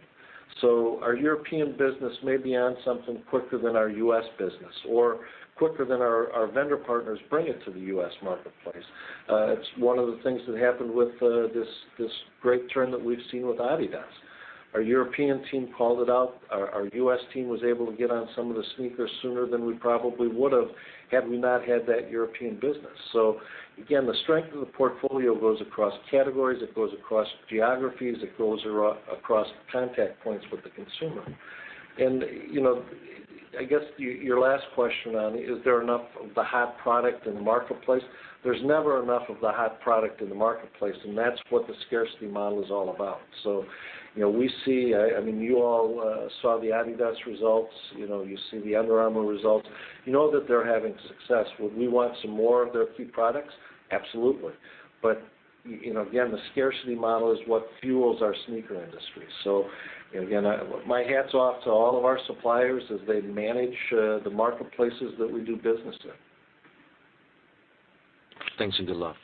Our European business may be on something quicker than our U.S. business or quicker than our vendor partners bring it to the U.S. marketplace. It's one of the things that happened with this great trend that we've seen with Adidas. Our European team called it out. Our U.S. team was able to get on some of the sneakers sooner than we probably would've, had we not had that European business. Again, the strength of the portfolio goes across categories, it goes across geographies, it goes across contact points with the consumer. I guess your last question on, is there enough of the hot product in the marketplace? There's never enough of the hot product in the marketplace, and that's what the scarcity model is all about. You all saw the Adidas results. You see the Under Armour results. You know that they're having success. Would we want some more of their key products? Absolutely. Again, the scarcity model is what fuels our sneaker industry. Again, my hat's off to all of our suppliers as they manage the marketplaces that we do business in. Thanks, and good luck.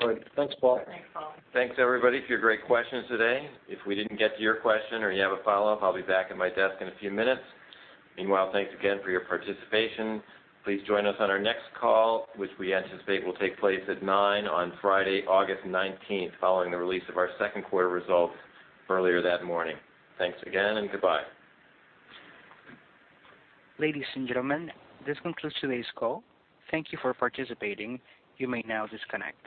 All right. Thanks, Paul. Thanks, Paul. Thanks, everybody, for your great questions today. If we didn't get to your question or you have a follow-up, I'll be back at my desk in a few minutes. Meanwhile, thanks again for your participation. Please join us on our next call, which we anticipate will take place at 9:00 A.M. on Friday, August 19th, following the release of our second quarter results earlier that morning. Thanks again, and goodbye. Ladies and gentlemen, this concludes today's call. Thank you for participating. You may now disconnect.